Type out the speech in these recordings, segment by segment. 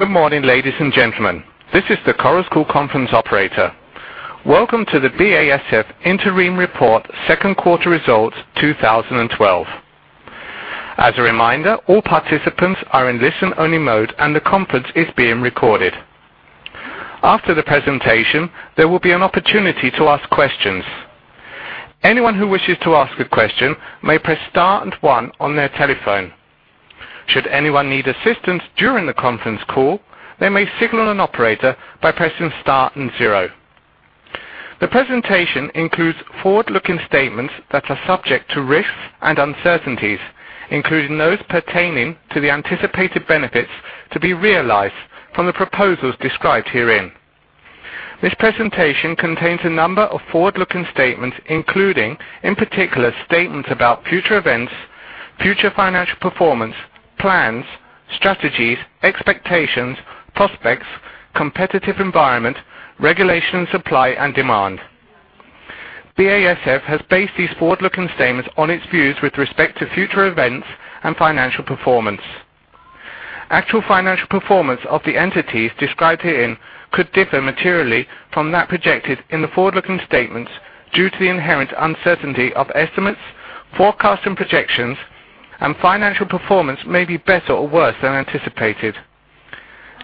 Good morning, ladies and gentlemen. This is the Chorus Call Conference operator. Welcome to the BASF interim report second quarter results 2012. As a reminder, all participants are in listen-only mode, and the conference is being recorded. After the presentation, there will be an opportunity to ask questions. Anyone who wishes to ask a question may press star and one on their telephone. Should anyone need assistance during the conference call, they may signal an operator by pressing star and zero. The presentation includes forward-looking statements that are subject to risks and uncertainties, including those pertaining to the anticipated benefits to be realized from the proposals described herein. This presentation contains a number of forward-looking statements, including, in particular, statements about future events, future financial performance, plans, strategies, expectations, prospects, competitive environment, regulation, supply and demand. BASF has based these forward-looking statements on its views with respect to future events and financial performance. Actual financial performance of the entities described herein could differ materially from that projected in the forward-looking statements due to the inherent uncertainty of estimates, forecasts, and projections, and financial performance may be better or worse than anticipated.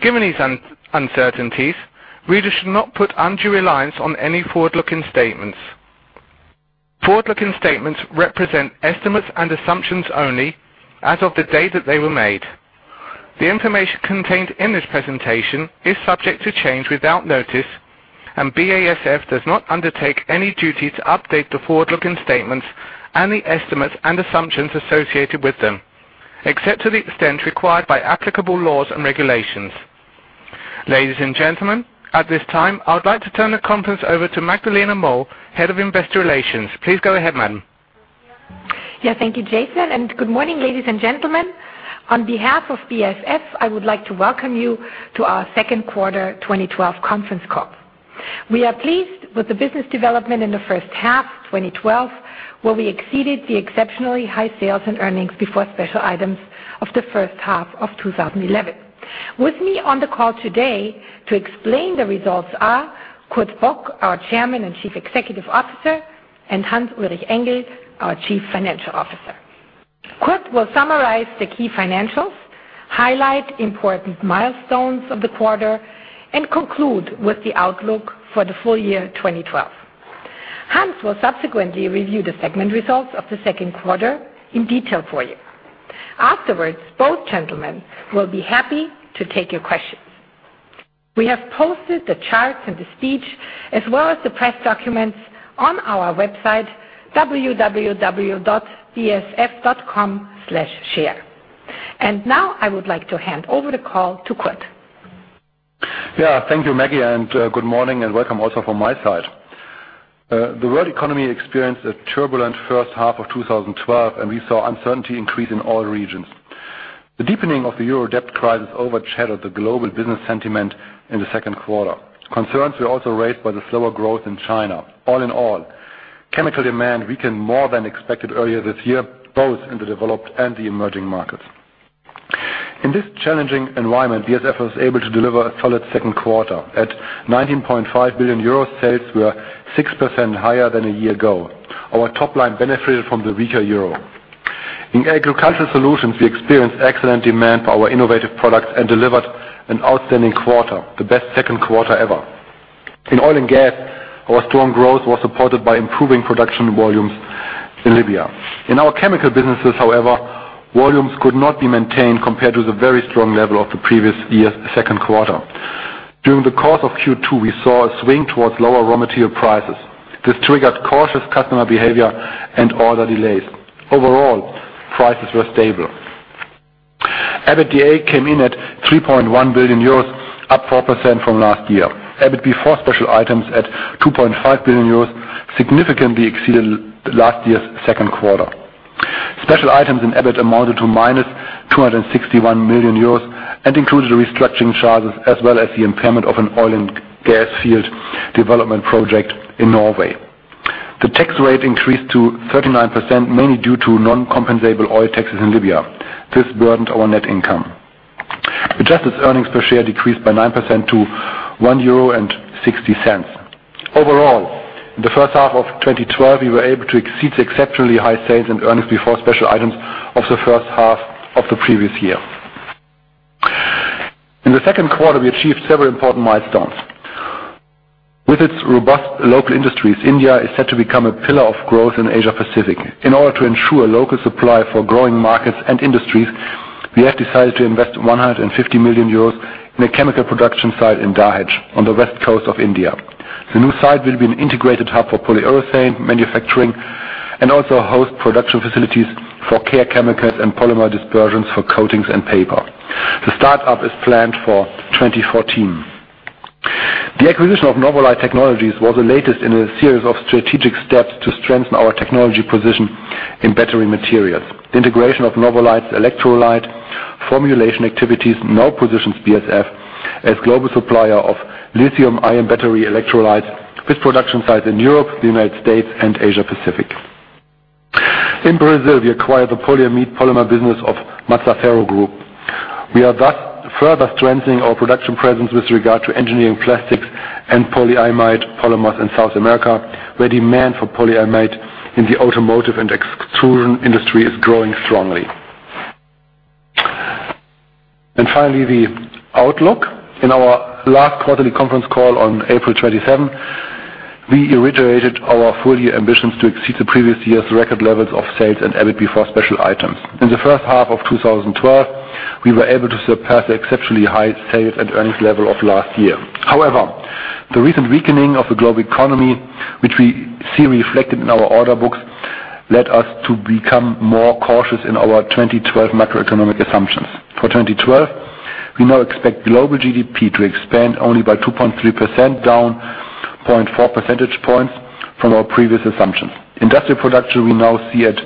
Given these uncertainties, readers should not put undue reliance on any forward-looking statements. Forward-looking statements represent estimates and assumptions only as of the day that they were made. The information contained in this presentation is subject to change without notice, and BASF does not undertake any duty to update the forward-looking statements and the estimates and assumptions associated with them, except to the extent required by applicable laws and regulations. Ladies and gentlemen, at this time, I would like to turn the conference over to Magdalena Moll, Head of Investor Relations. Please go ahead, madam. Yeah. Thank you, Jason, and good morning, ladies and gentlemen. On behalf of BASF, I would like to welcome you to our second quarter 2012 conference call. We are pleased with the business development in the first half 2012, where we exceeded the exceptionally high sales and earnings before special items of the first half of 2011. With me on the call today to explain the results are Kurt Bock, our Chairman and Chief Executive Officer, and Hans-Ulrich Engel, our Chief Financial Officer. Kurt will summarize the key financials, highlight important milestones of the quarter, and conclude with the outlook for the full year 2012. Hans will subsequently review the segment results of the second quarter in detail for you. Afterwards, both gentlemen will be happy to take your questions. We have posted the charts and the speech as well as the press documents on our website, www.basf.com/share. Now I would like to hand over the call to Kurt. Yeah. Thank you, Maggie, and good morning and welcome also from my side. The world economy experienced a turbulent first half of 2012, and we saw uncertainty increase in all regions. The deepening of the euro debt crisis overshadowed the global business sentiment in the second quarter. Concerns were also raised by the slower growth in China. All in all, chemical demand weakened more than expected earlier this year, both in the developed and the emerging markets. In this challenging environment, BASF was able to deliver a solid second quarter. At 19.5 billion euros, sales were 6% higher than a year ago. Our top line benefited from the weaker euro. In agricultural solutions, we experienced excellent demand for our innovative products and delivered an outstanding quarter, the best second quarter ever. In oil and gas, our strong growth was supported by improving production volumes in Libya. In our chemical businesses, however, volumes could not be maintained compared to the very strong level of the previous year's second quarter. During the course of Q2, we saw a swing towards lower raw material prices. This triggered cautious customer behavior and order delays. Overall, prices were stable. EBITDA came in at 3.1 billion euros, up 4% from last year. EBITDA before special items at 2.5 billion euros significantly exceeded last year's second quarter. Special items in EBITDA amounted to -261 million euros and included the restructuring charges as well as the impairment of an oil and gas field development project in Norway. The tax rate increased to 39%, mainly due to non-compensable oil taxes in Libya. This burdened our net income. Adjusted earnings per share decreased by 9% to 1.60 euro. Overall, in the first half of 2012, we were able to exceed the exceptionally high sales and earnings before special items of the first half of the previous year. In the second quarter, we achieved several important milestones. With its robust local industries, India is set to become a pillar of growth in Asia-Pacific. In order to ensure local supply for growing markets and industries, we have decided to invest 150 million euros in a chemical production site in Dahej on the west coast of India. The new site will be an integrated hub for polyurethane manufacturing and also host production facilities for care chemicals and polymer dispersions for coatings and paper. The startup is planned for 2014. The acquisition of Novolyte Technologies was the latest in a series of strategic steps to strengthen our technology position in battery materials. The integration of Novolyte's electrolyte formulation activities now positions BASF as global supplier of lithium-ion battery electrolytes with production sites in Europe, the United States and Asia-Pacific. In Brazil, we acquired the polyamide polymer business of Mazzaferro Group. We are thus further strengthening our production presence with regard to engineering plastics and polyamide polymers in South America, where demand for polyamide in the automotive and extrusion industry is growing strongly. Finally, the outlook. In our last quarterly conference call on April 27, we reiterated our full-year ambitions to exceed the previous year's record levels of sales and EBIT before special items. In the first half of 2012, we were able to surpass the exceptionally high sales and earnings level of last year. However, the recent weakening of the global economy, which we see reflected in our order books, led us to become more cautious in our 2012 macroeconomic assumptions. For 2012, we now expect global GDP to expand only by 2.3%, down 0.4 percentage points from our previous assumptions. Industrial production we now see at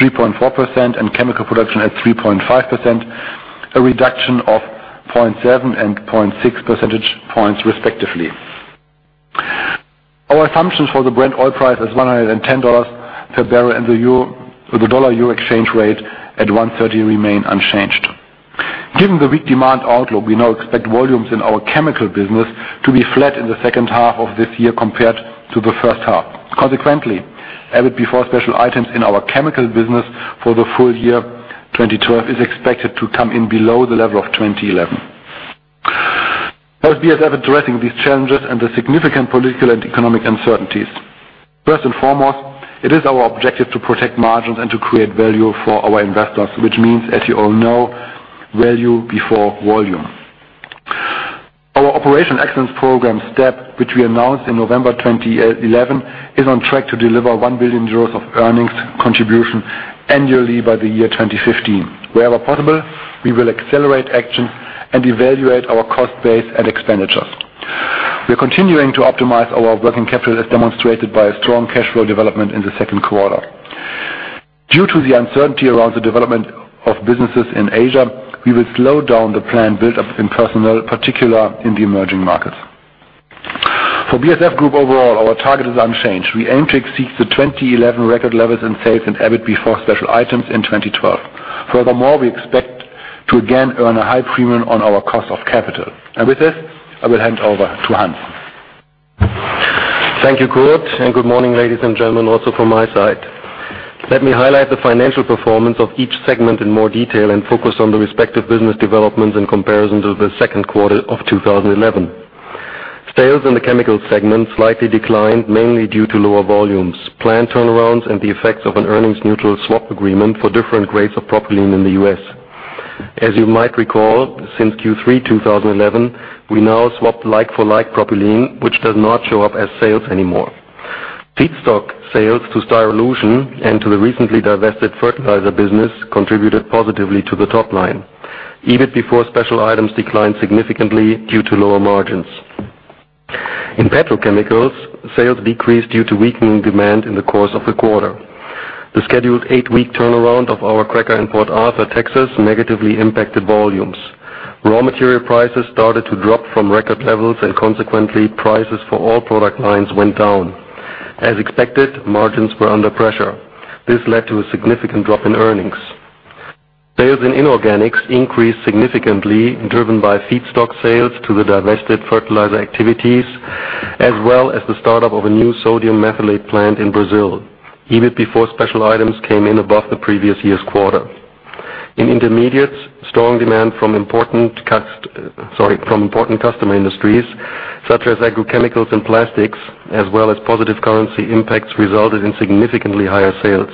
3.4% and chemical production at 3.5%, a reduction of 0.7 and 0.6 percentage points respectively. Our assumptions for the Brent oil price is $110 per barrel, and the euro or the dollar-euro exchange rate at 1.30 remain unchanged. Given the weak demand outlook, we now expect volumes in our chemical business to be flat in the second half of this year compared to the first half. Consequently, EBITDA before special items in our chemical business for the full year 2012 is expected to come in below the level of 2011. Now, as we are addressing these challenges and the significant political and economic uncertainties, first and foremost, it is our objective to protect margins and to create value for our investors, which means, as you all know, value before volume. Our Operational Excellence program STEP, which we announced in November 2011, is on track to deliver 1 billion euros of earnings contribution annually by the year 2015. Wherever possible, we will accelerate action and evaluate our cost base and expenditures. We are continuing to optimize our working capital as demonstrated by a strong cash flow development in the second quarter. Due to the uncertainty around the development of businesses in Asia, we will slow down the planned buildup in personnel, particularly in the emerging markets. For BASF Group overall, our target is unchanged. We aim to exceed the 2011 record levels in sales and EBITDA before special items in 2012. Furthermore, we expect to again earn a high premium on our cost of capital. With this, I will hand over to Hans. Thank you, Kurt, and good morning, ladies and gentlemen, also from my side. Let me highlight the financial performance of each segment in more detail and focus on the respective business developments in comparison to the second quarter of 2011. Sales in the chemicals segment slightly declined, mainly due to lower volumes, planned turnarounds, and the effects of an earnings neutral swap agreement for different grades of propylene in the U.S. As you might recall, since Q3 2011, we now swap like-for-like propylene, which does not show up as sales anymore. Feedstock sales to Styrolution and to the recently divested fertilizer business contributed positively to the top line. EBITDA before special items declined significantly due to lower margins. In petrochemicals, sales decreased due to weakening demand in the course of the quarter. The scheduled eight-week turnaround of our cracker in Port Arthur, Texas, negatively impacted volumes. Raw material prices started to drop from record levels, and consequently, prices for all product lines went down. As expected, margins were under pressure. This led to a significant drop in earnings. Sales in inorganics increased significantly, driven by feedstock sales to the divested fertilizer activities, as well as the start-up of a new sodium methylate plant in Brazil. EBITDA before special items came in above the previous year's quarter. In intermediates, strong demand from important customer industries, such as agrochemicals and plastics, as well as positive currency impacts resulted in significantly higher sales.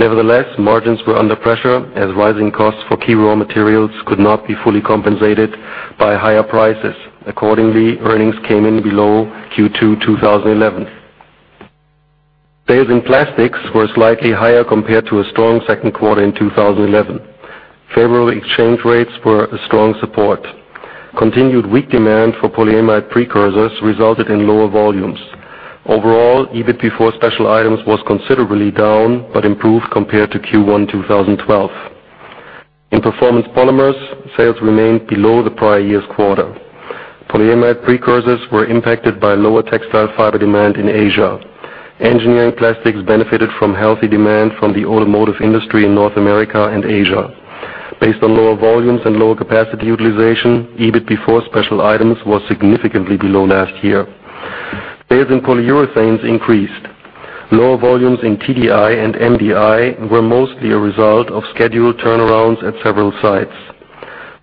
Nevertheless, margins were under pressure as rising costs for key raw materials could not be fully compensated by higher prices. Accordingly, earnings came in below Q2 2011. Sales in plastics were slightly higher compared to a strong second quarter in 2011. Favorable exchange rates were a strong support. Continued weak demand for polyamide precursors resulted in lower volumes. Overall, EBITDA before special items was considerably down but improved compared to Q1 2012. In Performance Polymers, sales remained below the prior year's quarter. Polyamide precursors were impacted by lower textile fiber demand in Asia. Engineering plastics benefited from healthy demand from the automotive industry in North America and Asia. Based on lower volumes and lower capacity utilization, EBITDA before special items was significantly below last year. Sales in polyurethanes increased. Lower volumes in TDI and MDI were mostly a result of scheduled turnarounds at several sites.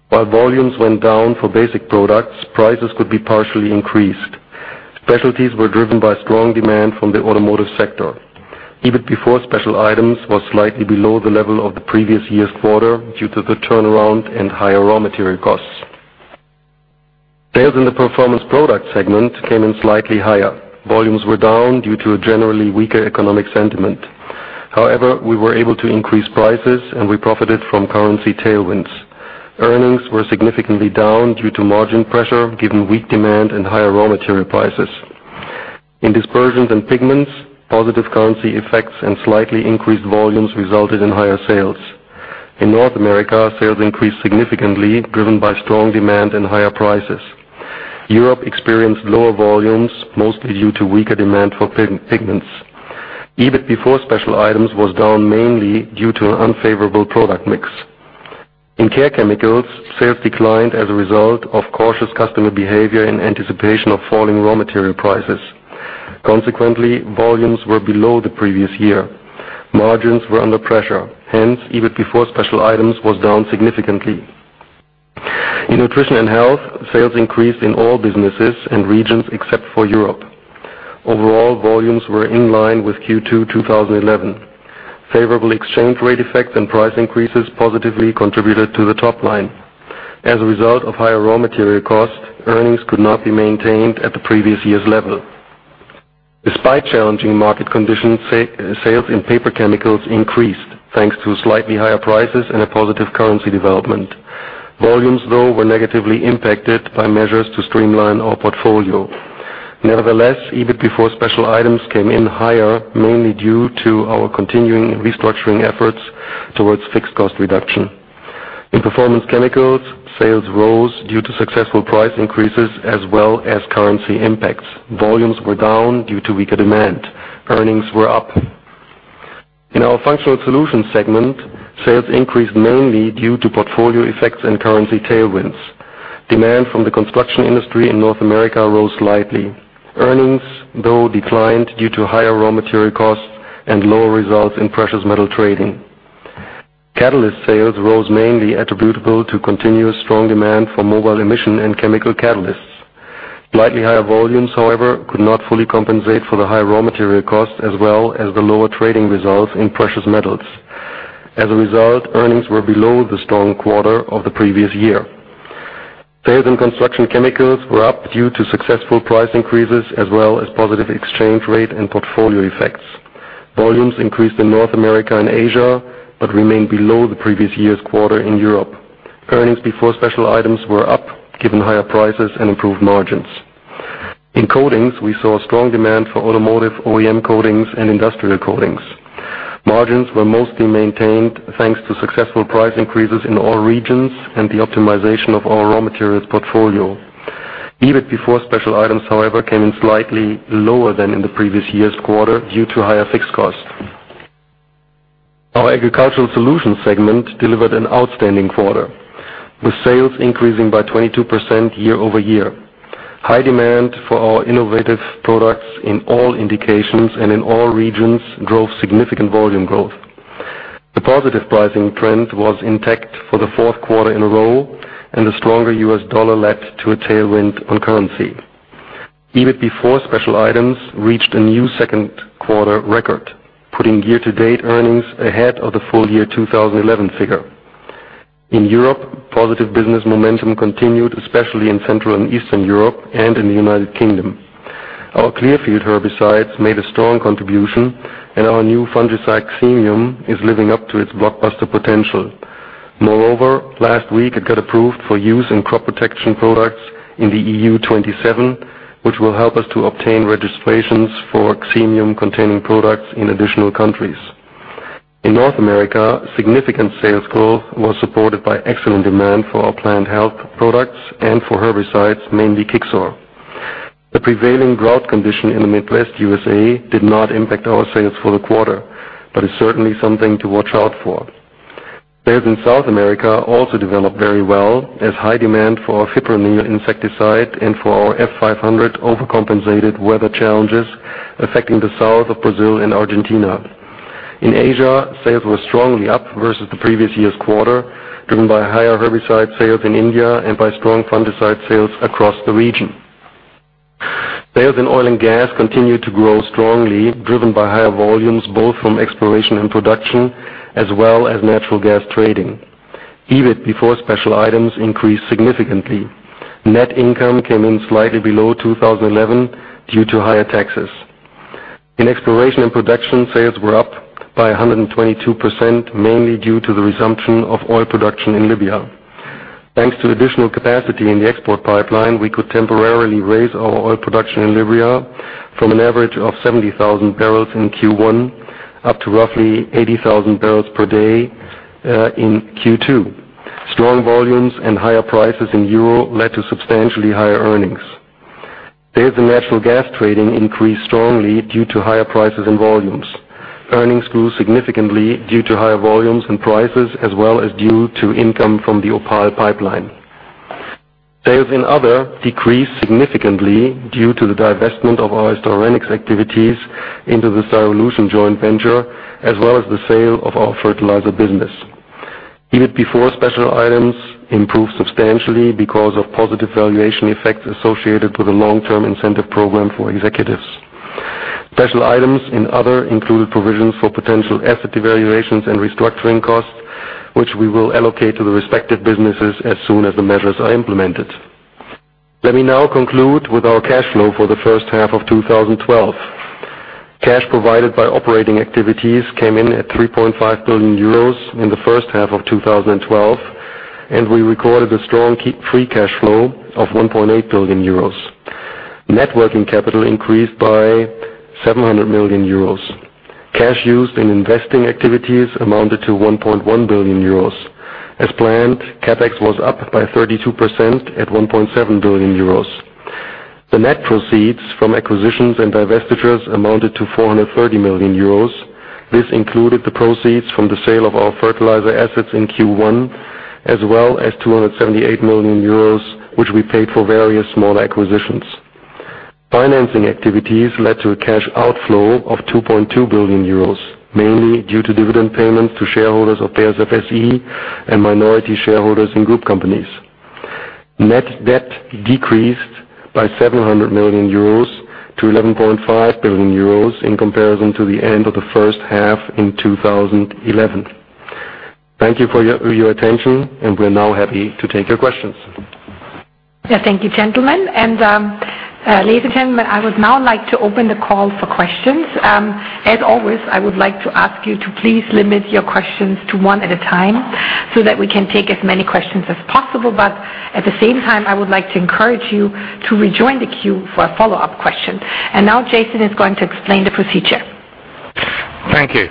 While volumes went down for basic products, prices could be partially increased. Specialties were driven by strong demand from the automotive sector. EBITDA before special items was slightly below the level of the previous year's quarter due to the turnaround and higher raw material costs. Sales in the Performance Products segment came in slightly higher. Volumes were down due to a generally weaker economic sentiment. However, we were able to increase prices, and we profited from currency tailwinds. Earnings were significantly down due to margin pressure given weak demand and higher raw material prices. In Dispersions and Pigments, positive currency effects and slightly increased volumes resulted in higher sales. In North America, sales increased significantly, driven by strong demand and higher prices. Europe experienced lower volumes, mostly due to weaker demand for pigments. EBITDA before special items was down mainly due to unfavorable product mix. In Care Chemicals, sales declined as a result of cautious customer behavior in anticipation of falling raw material prices. Consequently, volumes were below the previous year. Margins were under pressure, hence, EBITDA before special items was down significantly. In Nutrition and Health, sales increased in all businesses and regions except for Europe. Overall, volumes were in line with Q2 2011. Favorable exchange rate effects and price increases positively contributed to the top line. As a result of higher raw material costs, earnings could not be maintained at the previous year's level. Despite challenging market conditions, sales in Paper Chemicals increased thanks to slightly higher prices and a positive currency development. Volumes, though, were negatively impacted by measures to streamline our portfolio. Nevertheless, EBITDA before special items came in higher, mainly due to our continuing restructuring efforts towards fixed cost reduction. In Performance Chemicals, sales rose due to successful price increases as well as currency impacts. Volumes were down due to weaker demand. Earnings were up. In our Functional Solutions segment, sales increased mainly due to portfolio effects and currency tailwinds. Demand from the construction industry in North America rose slightly. Earnings, though, declined due to higher raw material costs and lower results in precious metal trading. Catalyst sales rose mainly attributable to continuous strong demand for mobile emission and chemical catalysts. Slightly higher volumes, however, could not fully compensate for the high raw material costs as well as the lower trading results in precious metals. As a result, earnings were below the strong quarter of the previous year. Sales in Construction Chemicals were up due to successful price increases as well as positive exchange rate and portfolio effects. Volumes increased in North America and Asia, but remained below the previous year's quarter in Europe. Earnings before special items were up given higher prices and improved margins. In Coatings, we saw strong demand for automotive OEM coatings and industrial coatings. Margins were mostly maintained thanks to successful price increases in all regions and the optimization of our raw materials portfolio. EBITDA before special items, however, came in slightly lower than in the previous year's quarter due to higher fixed costs. Our Agricultural Solutions segment delivered an outstanding quarter, with sales increasing by 22% year-over-year. High demand for our innovative products in all indications and in all regions drove significant volume growth. The positive pricing trend was intact for the fourth quarter in a row, and the stronger US dollar led to a tailwind on currency. EBITDA before special items reached a new second-quarter record, putting year-to-date earnings ahead of the full-year 2011 figure. In Europe, positive business momentum continued, especially in Central and Eastern Europe and in the United Kingdom. Our Clearfield herbicides made a strong contribution, and our new fungicide, Xemium, is living up to its blockbuster potential. Moreover, last week, it got approved for use in crop protection products in the EU27, which will help us to obtain registrations for Xemium-containing products in additional countries. In North America, significant sales growth was supported by excellent demand for our plant health products and for herbicides, mainly Kixor. The prevailing drought condition in the Midwest USA did not impact our sales for the quarter, but is certainly something to watch out for. Sales in South America also developed very well, as high demand for Fipronil insecticide and for our F500 overcompensated weather challenges affecting the south of Brazil and Argentina. In Asia, sales were strongly up versus the previous year's quarter, driven by higher herbicide sales in India and by strong fungicide sales across the region. Sales in Oil and Gas continued to grow strongly, driven by higher volumes both from exploration and production, as well as natural gas trading. EBITDA before special items increased significantly. Net income came in slightly below 2011 due to higher taxes. In Exploration and Production, sales were up by 122%, mainly due to the resumption of oil production in Libya. Thanks to additional capacity in the export pipeline, we could temporarily raise our oil production in Libya from an average of 70,000 barrels in Q1 up to roughly 80,000 barrels per day in Q2. Strong volumes and higher prices in euro led to substantially higher earnings. Sales in natural gas trading increased strongly due to higher prices and volumes. Earnings grew significantly due to higher volumes and prices, as well as due to income from the OPAL pipeline. Sales in Other decreased significantly due to the divestment of our Styrenics activities into the Styrolution joint venture, as well as the sale of our fertilizer business. EBITDA before special items improved substantially because of positive valuation effects associated with a long-term incentive program for executives. Special items in Other included provisions for potential asset devaluations and restructuring costs, which we will allocate to the respective businesses as soon as the measures are implemented. Let me now conclude with our cash flow for the first half of 2012. Cash provided by operating activities came in at 3.5 billion euros in the first half of 2012, and we recorded a strong free cash flow of 1.8 billion euros. Net working capital increased by 700 million euros. Cash used in investing activities amounted to 1.1 billion euros. As planned, CapEx was up by 32% at 1.7 billion euros. The net proceeds from acquisitions and divestitures amounted to 430 million euros. This included the proceeds from the sale of our fertilizer assets in Q1, as well as 278 million euros, which we paid for various small acquisitions. Financing activities led to a cash outflow of 2.2 billion euros, mainly due to dividend payments to shareholders of BASF SE and minority shareholders in group companies. Net debt decreased by 700 million euros to 11.5 billion euros in comparison to the end of the first half in 2011. Thank you for your attention, and we're now happy to take your questions. Yeah. Thank you, gentlemen. Ladies and gentlemen, I would now like to open the call for questions. As always, I would like to ask you to please limit your questions to one at a time so that we can take as many questions as possible. At the same time, I would like to encourage you to rejoin the queue for a follow-up question. Now Jason is going to explain the procedure. Thank you.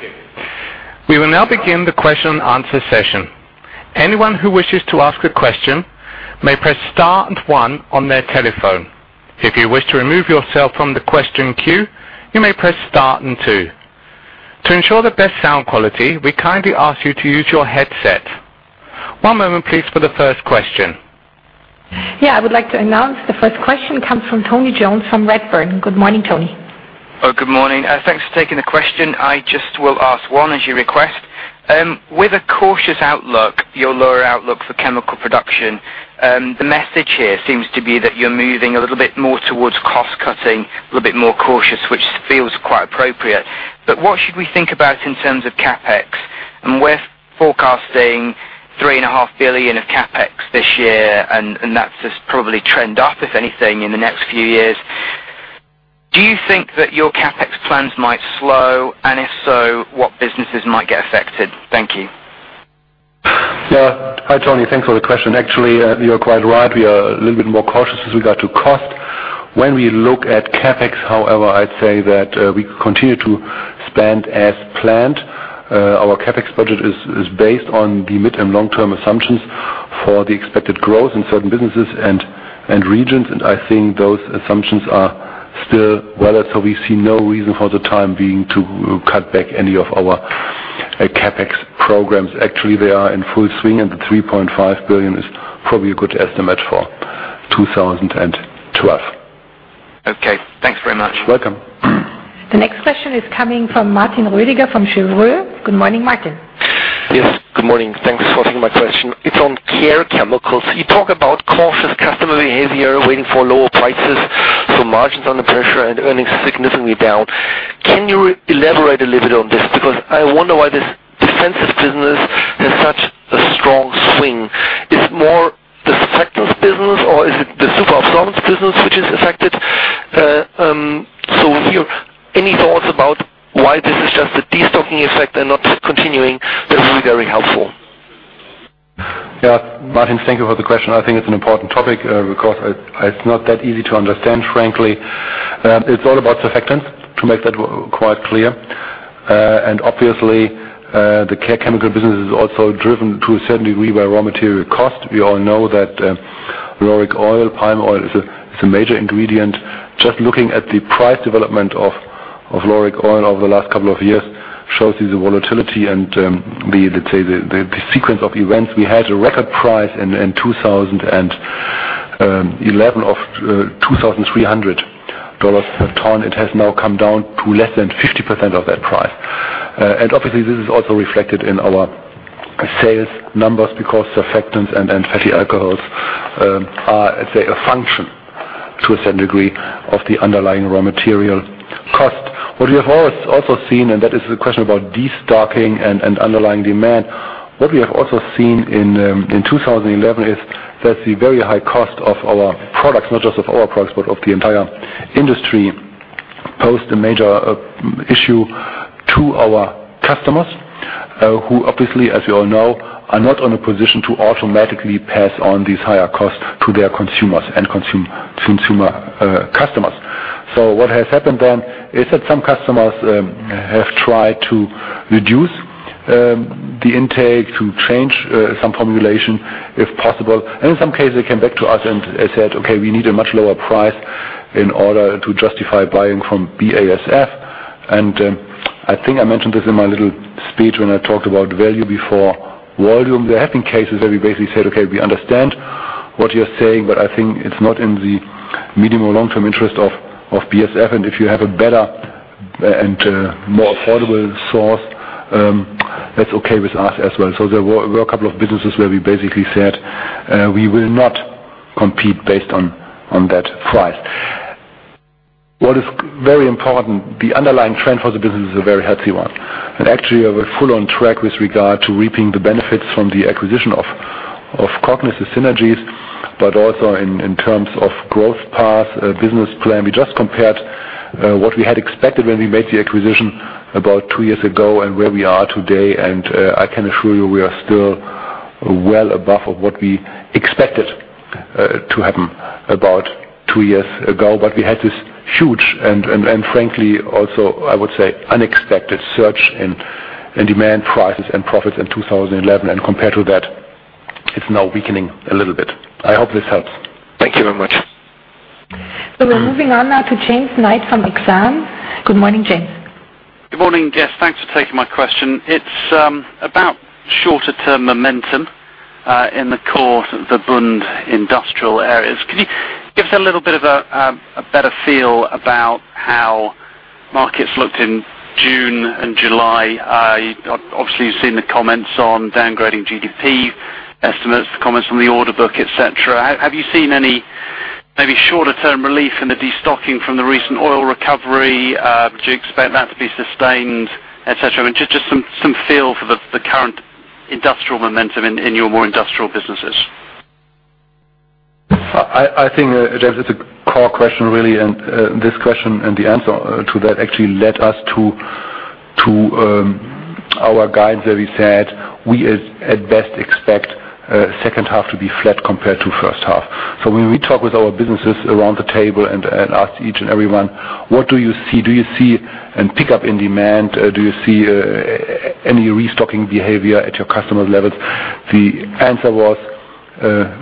We will now begin the question and answer session. Anyone who wishes to ask a question may press star and one on their telephone. If you wish to remove yourself from the question queue, you may press star and two. To ensure the best sound quality, we kindly ask you to use your headset. One moment, please, for the first question. Yeah, I would like to announce the first question comes from Tony Jones from Redburn. Good morning, Tony. Oh, good morning. Thanks for taking the question. I just will ask one as you request. With a cautious outlook, your lower outlook for chemical production, the message here seems to be that you're moving a little bit more towards cost-cutting, a little bit more cautious, which feels quite appropriate. What should we think about in terms of CapEx? We're forecasting 3.5 billion of CapEx this year, and that's just probably trend up, if anything, in the next few years. Do you think that your CapEx plans might slow, and if so, what businesses might get affected? Thank you. Yeah. Hi, Tony. Thanks for the question. Actually, you're quite right. We are a little bit more cautious as regards to cost. When we look at CapEx, however, I'd say that we continue to spend as planned. Our CapEx budget is based on the mid and long-term assumptions for the expected growth in certain businesses and regions, and I think those assumptions are still valid. We see no reason for the time being to cut back any of our CapEx programs. Actually, they are in full swing, and 3.5 billion is probably a good estimate for 2012. Okay. Thanks very much. Welcome. The next question is coming from Martin Rödiger from Cheuvreux. Good morning, Martin. Yes. Good morning. Thanks for taking my question. It's on Care Chemicals. You talk about cautious customer behavior, waiting for lower prices, so margins under pressure and earnings significantly down. Can you elaborate a little bit on this? Because I wonder why this defensive business has such a strong swing. Is it more the Surfactants business or is it the Superabsorbents business which is affected? If you have any thoughts about why this is just a destocking effect and not just continuing, that would be very helpful. Yeah. Martin, thank you for the question. I think it's an important topic because it's not that easy to understand, frankly. It's all about surfactants to make that quite clear. Obviously, the Care Chemicals business is also driven to a certain degree by raw material cost. We all know that lauric oil, palm oil is a major ingredient. Just looking at the price development of lauric oil over the last couple of years shows you the volatility and the, let's say, the sequence of events. We had a record price in 2011 of $2,300 per ton. It has now come down to less than 50% of that price. Obviously, this is also reflected in our sales numbers because surfactants and fatty alcohols are, let's say, a function to a certain degree of the underlying raw material cost. What we have also seen, and that is the question about destocking and underlying demand, what we have also seen in 2011 is that the very high cost of our products, not just of our products, but of the entire industry, posed a major issue to our customers, who obviously, as you all know, are not in a position to automatically pass on these higher costs to their consumers and customers. What has happened then is that some customers have tried to reduce the intake to change some formulation if possible, and in some cases, they came back to us and said, "Okay, we need a much lower price in order to justify buying from BASF." I think I mentioned this in my little speech when I talked about value before volume. There have been cases where we basically said, "Okay, we understand what you're saying, but I think it's not in the medium or long-term interest of BASF, and if you have a better and more affordable source, that's okay with us as well." There were a couple of businesses where we basically said we will not compete based on that price. What is very important, the underlying trend for the business is a very healthy one. Actually, we're fully on track with regard to reaping the benefits from the acquisition of Cognis' synergies, but also in terms of growth path, business plan. We just compared what we had expected when we made the acquisition about two years ago and where we are today, and I can assure you we are still well above what we expected to happen about two years ago. We had this huge and frankly also, I would say, unexpected surge in demand, prices and profits in 2011, and compared to that, it's now weakening a little bit. I hope this helps. Thank you very much. We're moving on now to James Knight from Exane. Good morning, James. Good morning, Hans-Ulrich Engel. Thanks for taking my question. It's about shorter term momentum in the core of the BASF industrial areas. Could you give us a little bit of a better feel about how markets looked in June and July? Obviously, you've seen the comments on downgrading GDP estimates, the comments from the order book, et cetera. Have you seen any maybe shorter term relief in the destocking from the recent oil recovery? Do you expect that to be sustained, et cetera? I mean, just some feel for the current industrial momentum in your more industrial businesses. I think, James, it's a core question, really, and this question and the answer to that actually led us to our guides, where we said we at best expect second half to be flat compared to first half. When we talk with our businesses around the table and ask each and everyone, "What do you see? Do you see a pickup in demand? Do you see any restocking behavior at your customer levels?" The answer was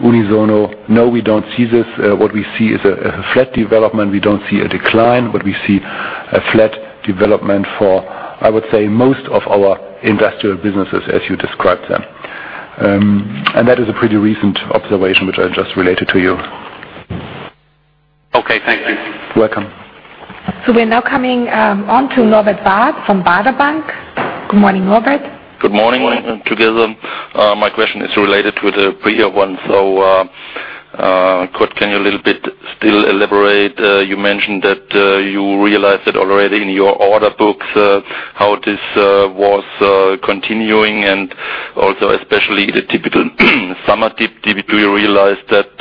unisono, "No, we don't see this. What we see is a flat development. We don't see a decline, but we see a flat development for, I would say, most of our industrial businesses as you describe them." And that is a pretty recent observation which I just related to you. Okay, thank you. You're welcome. We're now coming on to Norbert Barth from Baader Bank. Good morning, Norbert. Good morning. Morning. My question is related to the previous one. Kurt, can you a little bit still elaborate? You mentioned that you realized that already in your order books, how this was continuing and also especially the typical summer dip. Did you realize that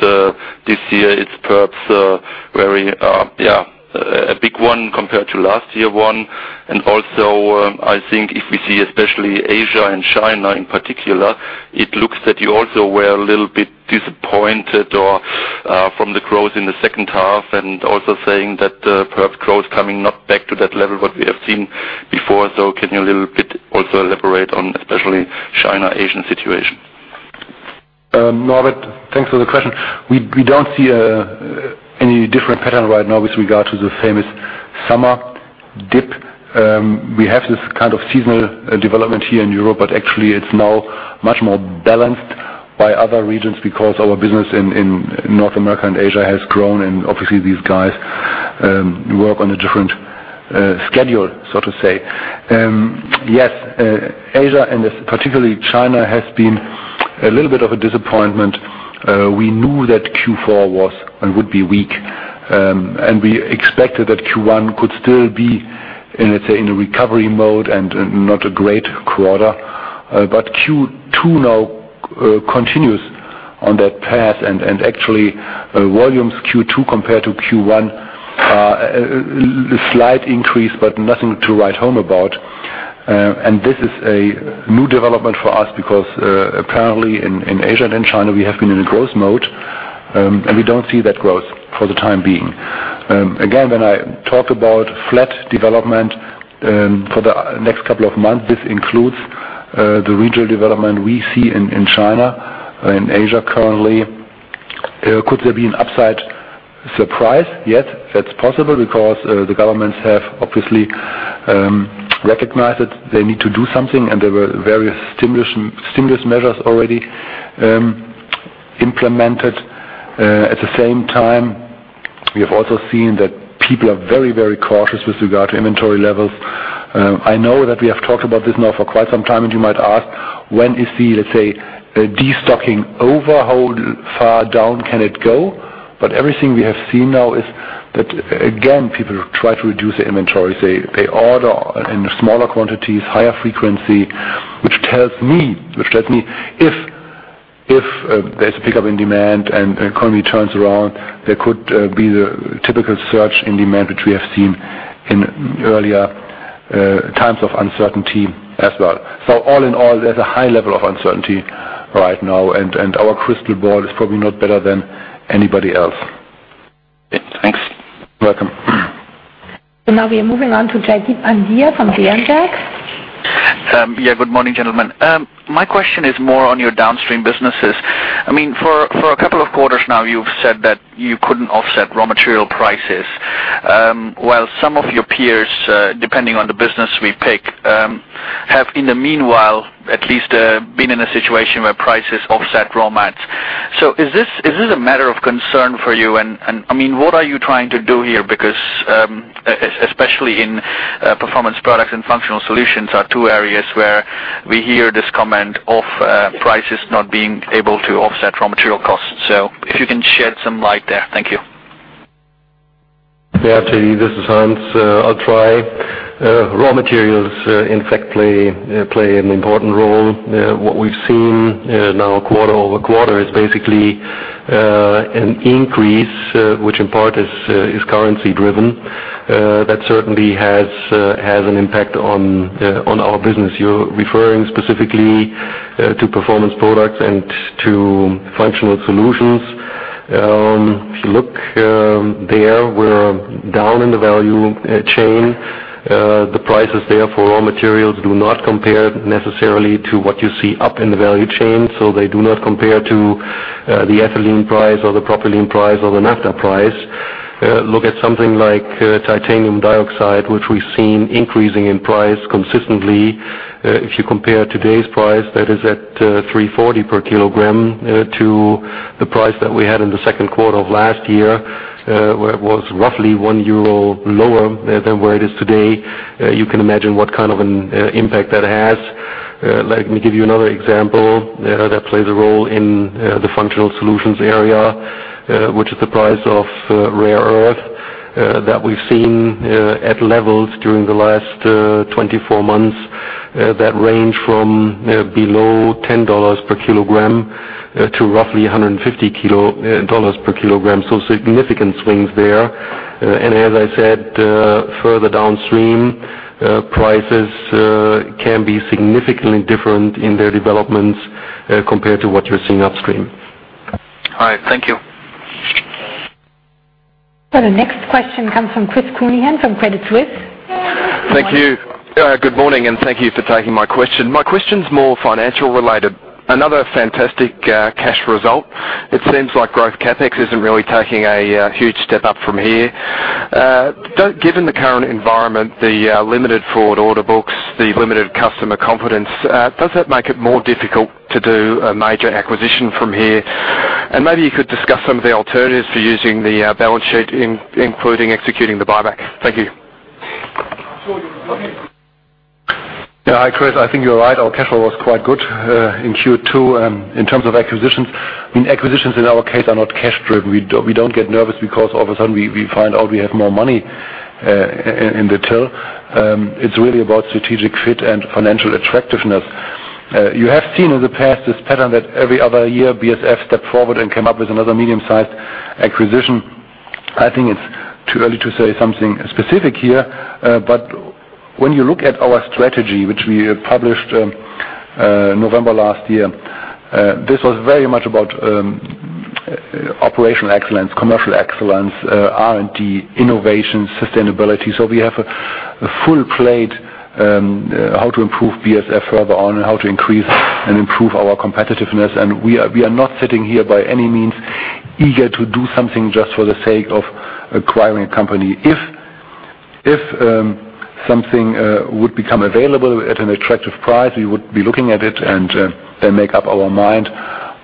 this year it's perhaps very yeah a big one compared to last year one? And also, I think if we see especially Asia and China in particular, it looks that you also were a little bit disappointed or from the growth in the second half and also saying that perhaps growth coming not back to that level what we have seen before. Can you a little bit also elaborate on especially China-Asia situation? Norbert, thanks for the question. We don't see any different pattern right now with regard to the famous summer dip. We have this kind of seasonal development here in Europe, but actually it's now much more balanced by other regions because our business in North America and Asia has grown, and obviously these guys work on a different schedule, so to say. Yes, Asia, and in particular, China has been a little bit of a disappointment. We knew that Q4 was and would be weak. We expected that Q1 could still be, let's say, in a recovery mode and not a great quarter. Q2 now continues on that path, and actually, volumes Q2 compared to Q1, a slight increase, but nothing to write home about. This is a new development for us because apparently in Asia and in China, we have been in a growth mode, and we don't see that growth for the time being. Again, when I talk about flat development for the next couple of months, this includes the regional development we see in China in Asia currently. Could there be an upside surprise? Yes, that's possible because the governments have obviously recognized that they need to do something, and there were various stimulus measures already implemented. At the same time, we have also seen that people are very cautious with regard to inventory levels. I know that we have talked about this now for quite some time, and you might ask when we see, let's say, a destocking. How far down can it go? Everything we have seen now is that, again, people try to reduce the inventory. They order in smaller quantities, higher frequency, which tells me if there's a pickup in demand and the economy turns around, there could be the typical surge in demand, which we have seen in earlier times of uncertainty as well. All in all, there's a high level of uncertainty right now, and our crystal ball is probably not better than anybody else. Thanks. You're welcome. Now we are moving on to Jaideep Pandya from Berenberg Bank. Yeah, good morning, gentlemen. My question is more on your downstream businesses. I mean, for a couple of quarters now, you've said that you couldn't offset raw material prices, while some of your peers, depending on the business we pick, have in the meanwhile at least, been in a situation where prices offset raw mats. So is this a matter of concern for you? And I mean, what are you trying to do here? Because especially in Performance Products and Functional Solutions are two areas where we hear this comment of prices not being able to offset raw material costs. So if you can shed some light there. Thank you. Yeah, Jaideep. This is Hans. I'll try. Raw materials in fact play an important role. What we've seen now quarter-over-quarter is basically an increase which in part is currency-driven. That certainly has an impact on our business. You're referring specifically to Performance Products and to Functional Solutions. If you look there, we're down in the value chain. The prices there for raw materials do not compare necessarily to what you see up in the value chain, so they do not compare to the ethylene price or the propylene price or the naphtha price. Look at something like titanium dioxide, which we've seen increasing in price consistently. If you compare today's price, that is at 340 per kilogram, to the price that we had in the second quarter of last year, where it was roughly 1 euro lower than where it is today, you can imagine what kind of an impact that has. Let me give you another example that plays a role in the functional solutions area, which is the price of rare earth that we've seen at levels during the last 24 months that range from below $10 per kilogram to roughly $150 per kilogram, so significant swings there. As I said, further downstream, prices can be significantly different in their developments compared to what you're seeing upstream. All right. Thank you. Well, the next question comes from Chris Counihan from Credit Suisse. Thank you. Good morning, and thank you for taking my question. My question's more financial related. Another fantastic cash result. It seems like growth CapEx isn't really taking a huge step-up from here. Given the current environment, the limited forward order books, the limited customer confidence, does that make it more difficult to do a major acquisition from here? Maybe you could discuss some of the alternatives for using the balance sheet, including executing the buyback. Thank you. Yeah. Hi, Chris. I think you're right. Our cash flow was quite good in Q2. In terms of acquisitions, I mean, acquisitions in our case are not cash driven. We don't get nervous because all of a sudden we find out we have more money in the till. It's really about strategic fit and financial attractiveness. You have seen in the past this pattern that every other year BASF step forward and come up with another medium-sized acquisition. I think it's too early to say something specific here. When you look at our strategy, which we published November last year, this was very much about operational excellence, commercial excellence, R&D, innovation, sustainability. We have a full plate, how to improve BASF further on and how to increase and improve our competitiveness, and we are not sitting here by any means eager to do something just for the sake of acquiring a company. If something would become available at an attractive price, we would be looking at it and make up our mind.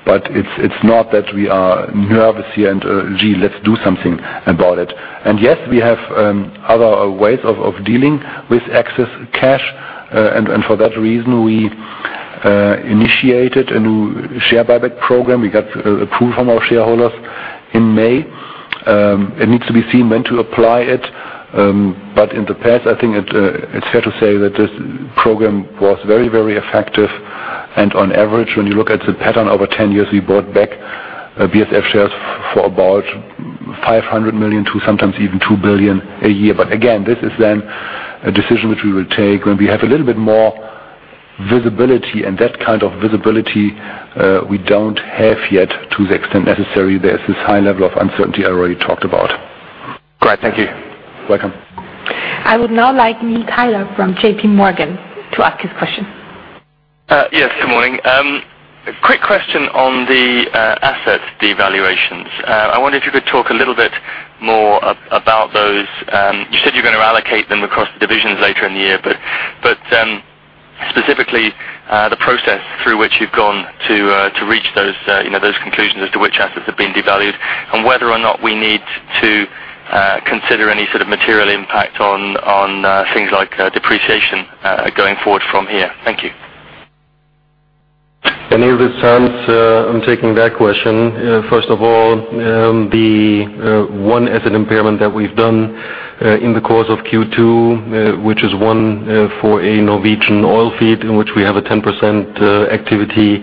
It's not that we are nervous and gee, let's do something about it. Yes, we have other ways of dealing with excess cash. For that reason, we initiated a new share buyback program. We got approval from our shareholders in May. It needs to be seen when to apply it. In the past, I think it's fair to say that this program was very, very effective. On average, when you look at the pattern over 10 years, we bought back BASF shares for about 500 million-sometimes even 2 billion a year. This is then a decision which we will take when we have a little bit more visibility, and that kind of visibility, we don't have yet to the extent necessary. There's this high level of uncertainty I already talked about. Great. Thank you. Welcome. I would now like Neil Tyler from JPMorgan to ask his question. Yes. Good morning. Quick question on the asset devaluations. I wonder if you could talk a little bit more about those. You said you're gonna allocate them across the divisions later in the year, but specifically, the process through which you've gone to reach those, you know, those conclusions as to which assets have been devalued and whether or not we need to consider any sort of material impact on things like depreciation going forward from here. Thank you. Here with Hans-Ulrich Engel. I'm taking that question. First of all, the one asset impairment that we've done in the course of Q2, which is one for a Norwegian oil field in which we have a 10% activity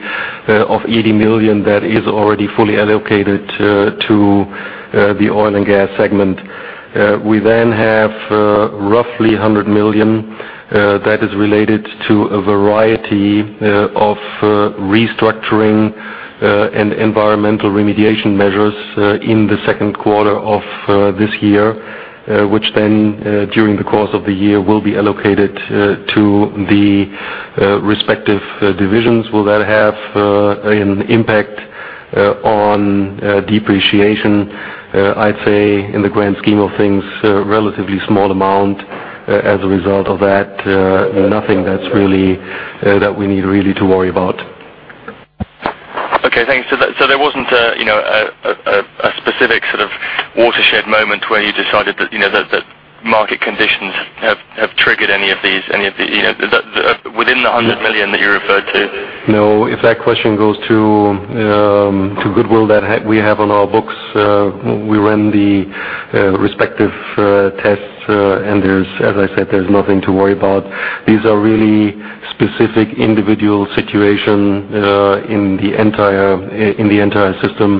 of 80 million that is already fully allocated to the Oil and Gas segment. We then have roughly 100 million that is related to a variety of restructuring and environmental remediation measures in the second quarter of this year, which then during the course of the year will be allocated to the respective divisions. Will that have an impact on depreciation? I'd say in the grand scheme of things, a relatively small amount as a result of that. Nothing that's really, that we need really to worry about. Okay. Thanks. There wasn't a, you know, specific sort of watershed moment where you decided that, you know, that market conditions have triggered any of these, any of the, you know. Is that within the 100 million that you referred to? No. If that question goes to goodwill that we have on our books, we ran the respective tests, and as I said, there's nothing to worry about. These are really specific individual situation in the entire system,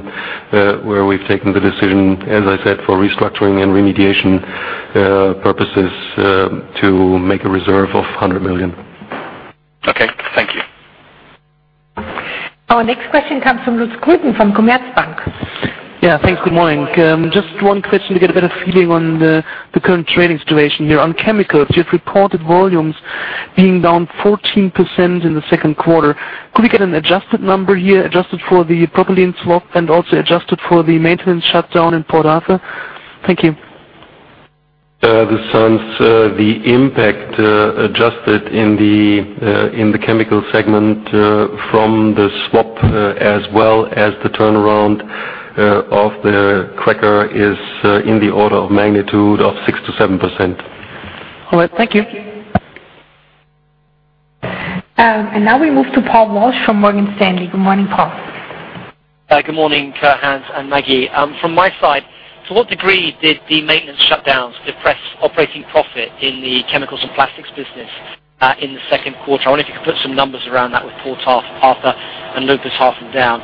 where we've taken the decision, as I said, for restructuring and remediation purposes, to make a reserve of 100 million. Okay. Thank you. Our next question comes from Lutz Grüten from Commerzbank. Yeah, thanks. Good morning. Just one question to get a better feeling on the current trading situation here on chemicals. You've reported volumes being down 14% in the second quarter. Could we get an adjusted number here, adjusted for the propylene swap and also adjusted for the maintenance shutdown in Port Arthur? Thank you. This is Hans-Ulrich Engel. The impact adjusted in the Chemicals segment from the swap as well as the turnaround of the cracker is in the order of magnitude of 6%-7%. All right. Thank you. Now we move to Paul Walsh from Morgan Stanley. Good morning, Paul. Good morning, Hans and Maggie. From my side, to what degree did the maintenance shutdowns depress operating profit in the chemicals and plastics business, in the second quarter? I wonder if you could put some numbers around that with Port Arthur and Ludwigshafen down.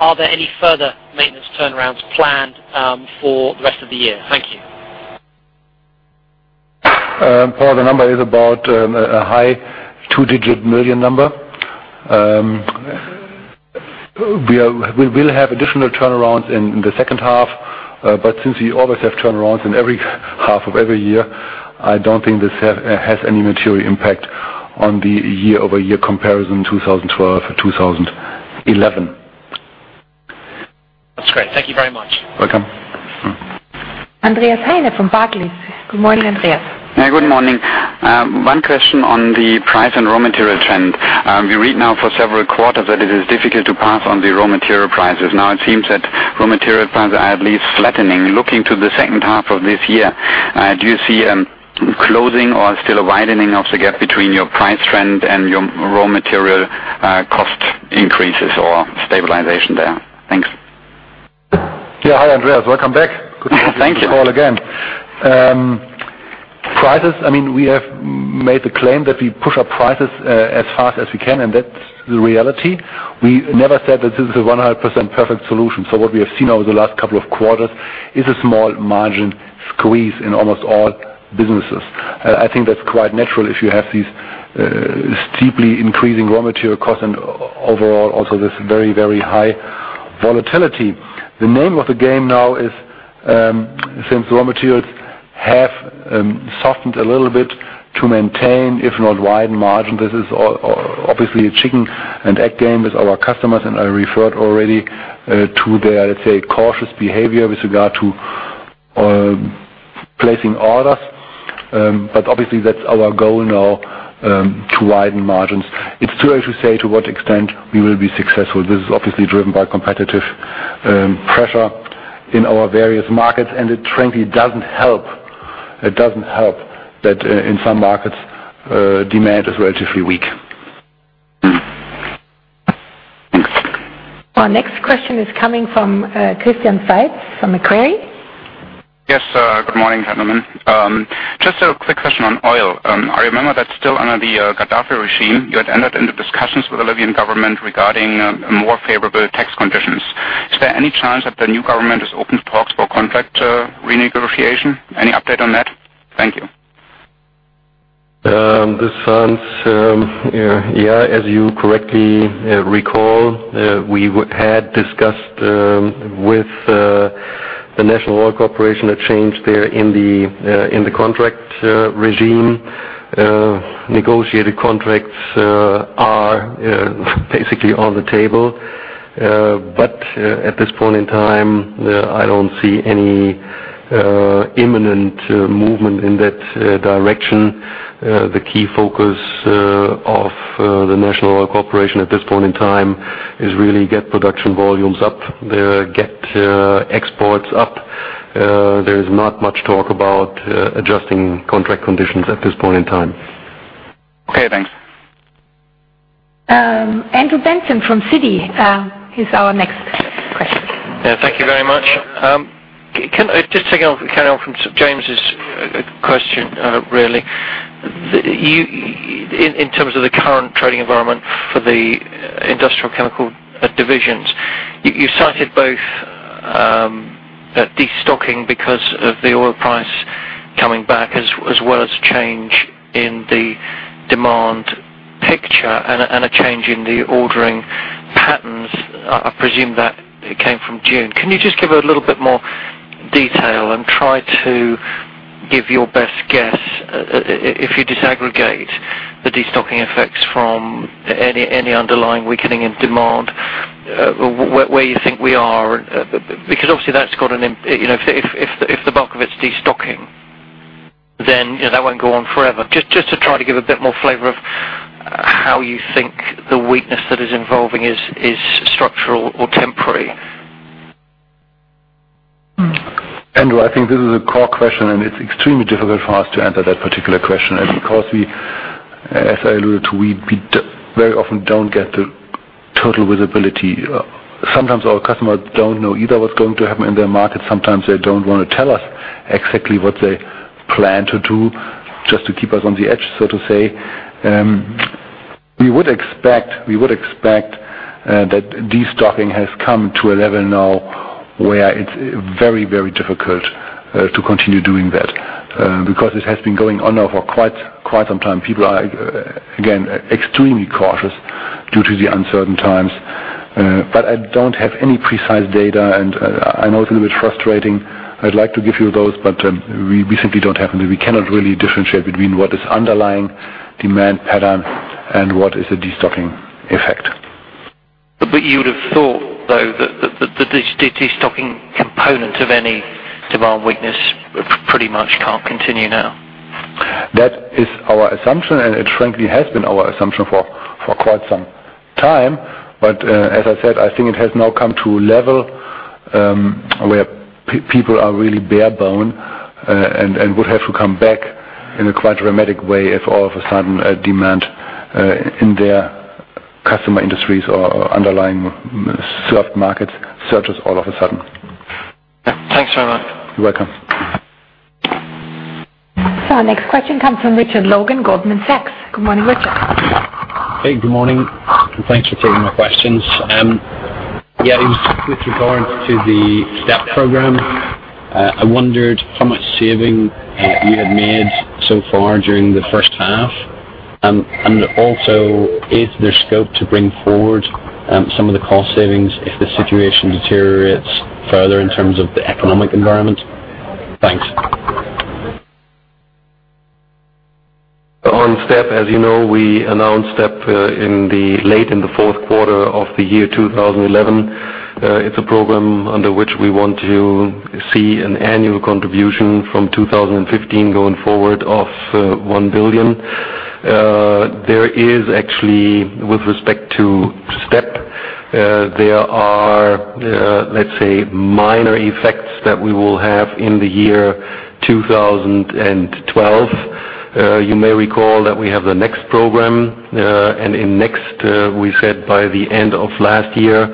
Are there any further maintenance turnarounds planned, for the rest of the year? Thank you. Paul, the number is about a high two-digit million EUR number. We will have additional turnarounds in the second half, but since we always have turnarounds in every half of every year, I don't think this has any material impact on the year-over-year comparison, 2012, 2011. That's great. Thank you very much. Welcome. Andreas Heine from Barclays. Good morning, Andreas. Yeah, good morning. One question on the price and raw material trend. We read now for several quarters that it is difficult to pass on the raw material prices. Now it seems that raw material prices are at least flattening. Looking to the second half of this year, do you see closing or still a widening of the gap between your price trend and your raw material cost increases or stabilization there? Thanks. Yeah. Hi, Andreas. Welcome back. Thank you. Good to have you on the call again. Prices, I mean, we have made the claim that we push up prices as fast as we can, and that's the reality. We never said that this is a 100% perfect solution, so what we have seen over the last couple of quarters is a small margin squeeze in almost all businesses. I think that's quite natural if you have these steeply increasing raw material costs and overall also this very, very high volatility. The name of the game now is, since raw materials have softened a little bit to maintain, if not widen margin, this is obviously a chicken-and-egg game with our customers, and I referred already to their, let's say, cautious behavior with regard to placing orders. Obviously that's our goal now to widen margins. It's too early to say to what extent we will be successful. This is obviously driven by competitive pressure in our various markets, and it frankly doesn't help that in some markets, demand is relatively weak. Thanks. Our next question is coming from Christian Faitz from Macquarie. Yes. Good morning, gentlemen. Just a quick question on oil. I remember that still under the Gaddafi regime, you had entered into discussions with the Libyan government regarding more favorable tax conditions. Is there any chance that the new government is open to talks for contract renegotiation? Any update on that? Thank you. This is Hans-Ulrich Engel. Yeah, as you correctly recall, we had discussed with the National Oil Corporation a change there in the contract regime. Negotiated contracts are basically on the table. At this point in time, I don't see any imminent movement in that direction. The key focus of the National Oil Corporation at this point in time is really to get production volumes up, get exports up. There is not much talk about adjusting contract conditions at this point in time. Okay, thanks. Andrew Benson from Citi is our next question. Yeah. Thank you very much. Just taking off, carrying on from James' question, really. In terms of the current trading environment for the industrial chemical divisions, you cited both, destocking because of the oil price coming back as well as change in the demand picture and a change in the ordering patterns. I presume that came from June. Can you just give a little bit more detail and try to give your best guess, if you disaggregate the destocking effects from any underlying weakening in demand, where you think we are? Because obviously that's got an impact. You know, if the bulk of it's destocking, then, you know, that won't go on forever. Just to try to give a bit more flavor of how you think the weakness that is evolving is structural or temporary. Andrew, I think this is a core question, and it's extremely difficult for us to answer that particular question because we, as I alluded to, very often don't get the total visibility. Sometimes our customers don't know either what's going to happen in their market. Sometimes they don't want to tell us exactly what they plan to do, just to keep us on the edge, so to say. We would expect that destocking has come to a level now where it's very, very difficult to continue doing that because it has been going on now for quite some time. People are again extremely cautious due to the uncertain times. I don't have any precise data, and I know it's a little bit frustrating. I'd like to give you those, but we simply don't have them. We cannot really differentiate between what is underlying demand pattern and what is a destocking effect. You would have thought, though, that the destocking component of any demand weakness pretty much can't continue now. That is our assumption, and it frankly has been our assumption for quite some time. As I said, I think it has now come to a level where people are really bare bone, and would have to come back in a quite dramatic way if all of a sudden a demand in their customer industries or underlying served markets surges all of a sudden. Thanks very much. You're welcome. Our next question comes from Richard Logan, Goldman Sachs. Good morning, Richard. Hey, good morning, and thanks for taking my questions. With regard to the STEP program, I wondered how much savings you have made so far during the first half. Also, is there scope to bring forward some of the cost savings if the situation deteriorates further in terms of the economic environment? Thanks. On STEP, as you know, we announced STEP in the late fourth quarter of 2011. It's a program under which we want to see an annual contribution from 2015 going forward of 1 billion. There is actually, with respect to STEP, there are, let's say, minor effects that we will have in 2012. You may recall that we have the NEXT program. In NEXT, we said by the end of last year,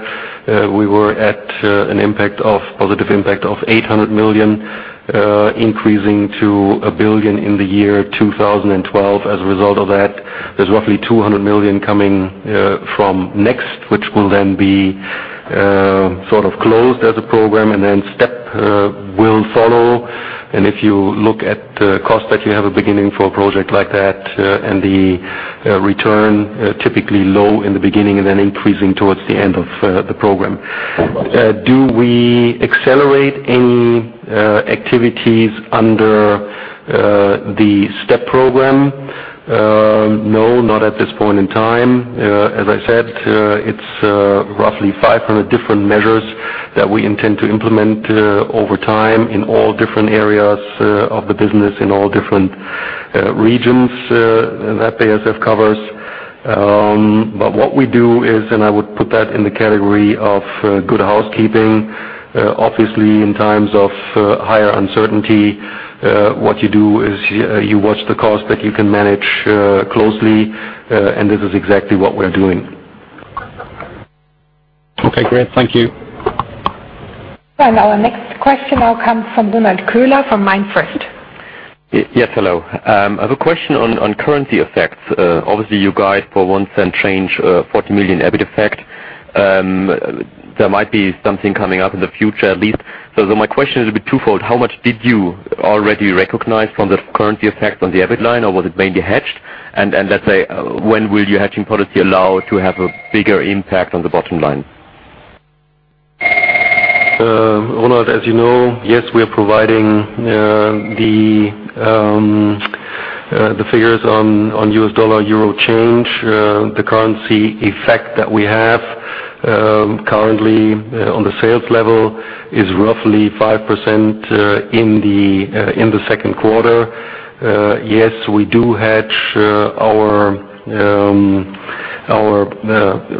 we were at a positive impact of 800 million, increasing to 1 billion in 2012. As a result of that, there's roughly 200 million coming from NEXT, which will then be sort of closed as a program, and then STEP will follow. If you look at the costs that you have at the beginning for a project like that, and the returns typically low in the beginning and then increasing towards the end of the program. Do we accelerate any activities under the STEP program? No, not at this point in time. As I said, it's roughly 500 different measures that we intend to implement over time in all different areas of the business, in all different regions that BASF covers. What we do is, and I would put that in the category of good housekeeping. Obviously, in times of higher uncertainty, what you do is you watch the cost that you can manage closely, and this is exactly what we're doing. Okay, great. Thank you. Our next question now comes from Ronald Köhler from MainFirst. Yes, hello. I have a question on currency effects. Obviously, you guys forecast a 40 million EBITDA effect. There might be something coming up in the future at least. My question is a bit twofold. How much did you already recognize from the currency effect on the EBITDA line, or was it mainly hedged? And let's say, when will your hedging policy allow to have a bigger impact on the bottom line? Ronald Köhler, as you know, yes, we are providing the figures on U.S. dollar euro change. The currency effect that we have currently on the sales level is roughly 5% in the second quarter. Yes, we do hedge our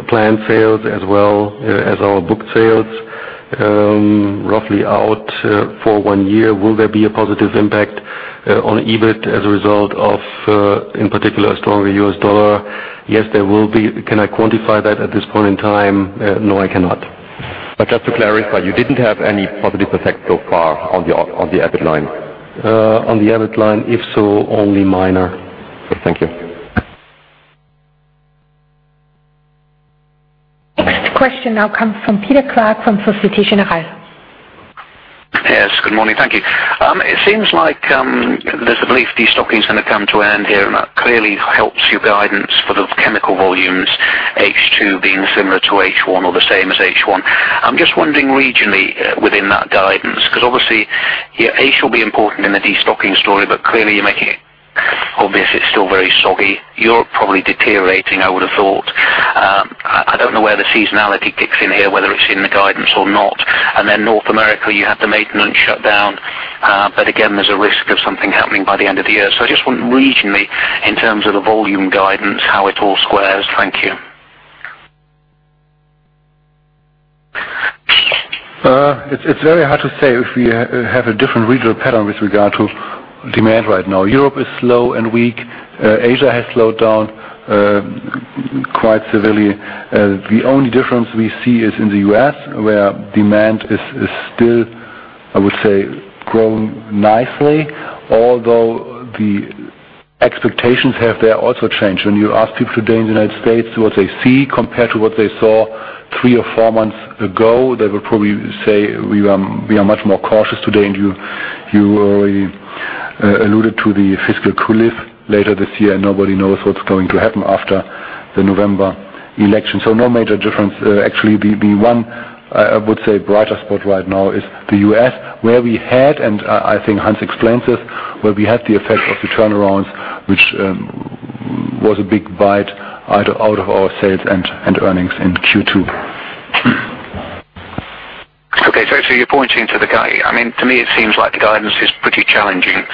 planned sales as well as our booked sales roughly out for one year. Will there be a positive impact on EBITDA as a result of in particular a stronger U.S. dollar? Yes, there will be. Can I quantify that at this point in time? No, I cannot. Just to clarify, you didn't have any positive effect so far on the EBITDA line? On the EBITDA line, if so, only minor. Thank you. Next question now comes from Peter Clark from Société Générale. Yes, good morning. Thank you. It seems like there's a belief destocking is gonna come to an end here, and that clearly helps your guidance for the chemical volumes, H2 being similar to H1 or the same as H1. I'm just wondering regionally within that guidance, because obviously, yeah, H will be important in the destocking story, but clearly, you're making it obvious it's still very soggy. You're probably deteriorating, I would have thought. I don't know where the seasonality kicks in here, whether it's in the guidance or not. North America, you have the maintenance shutdown. But again, there's a risk of something happening by the end of the year. I just want regionally, in terms of the volume guidance, how it all squares. Thank you. It's very hard to say if we have a different regional pattern with regard to demand right now. Europe is slow and weak. Asia has slowed down quite severely. The only difference we see is in the U.S., where demand is still, I would say, growing nicely, although the expectations have there also changed. When you ask people today in the United States what they see compared to what they saw three or four months ago, they will probably say we are much more cautious today. You alluded to the fiscal cliff later this year, and nobody knows what's going to happen after the November election. No major difference. Actually, the one I would say brighter spot right now is the U.S., where we had, and I think Hans explains this, where we had the effect of the turnarounds, which was a big bite out of our sales and earnings in Q2. Okay. You're pointing to the guy. I mean, to me it seems like the guidance is pretty challenging.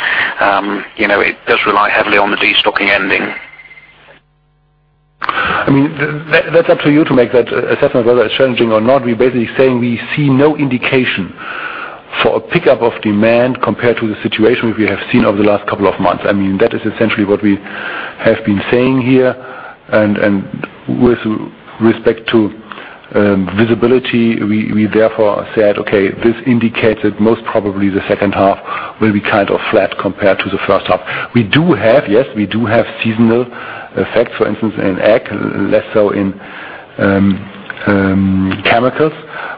You know, it does rely heavily on the destocking ending. I mean, that's up to you to make that assessment whether it's challenging or not. We're basically saying we see no indication for a pickup of demand compared to the situation we have seen over the last couple of months. I mean, that is essentially what we have been saying here. With respect to visibility, we therefore said, okay, this indicates that most probably the second half will be kind of flat compared to the first half. We do have seasonal effects, for instance, in ag, less so in chemicals.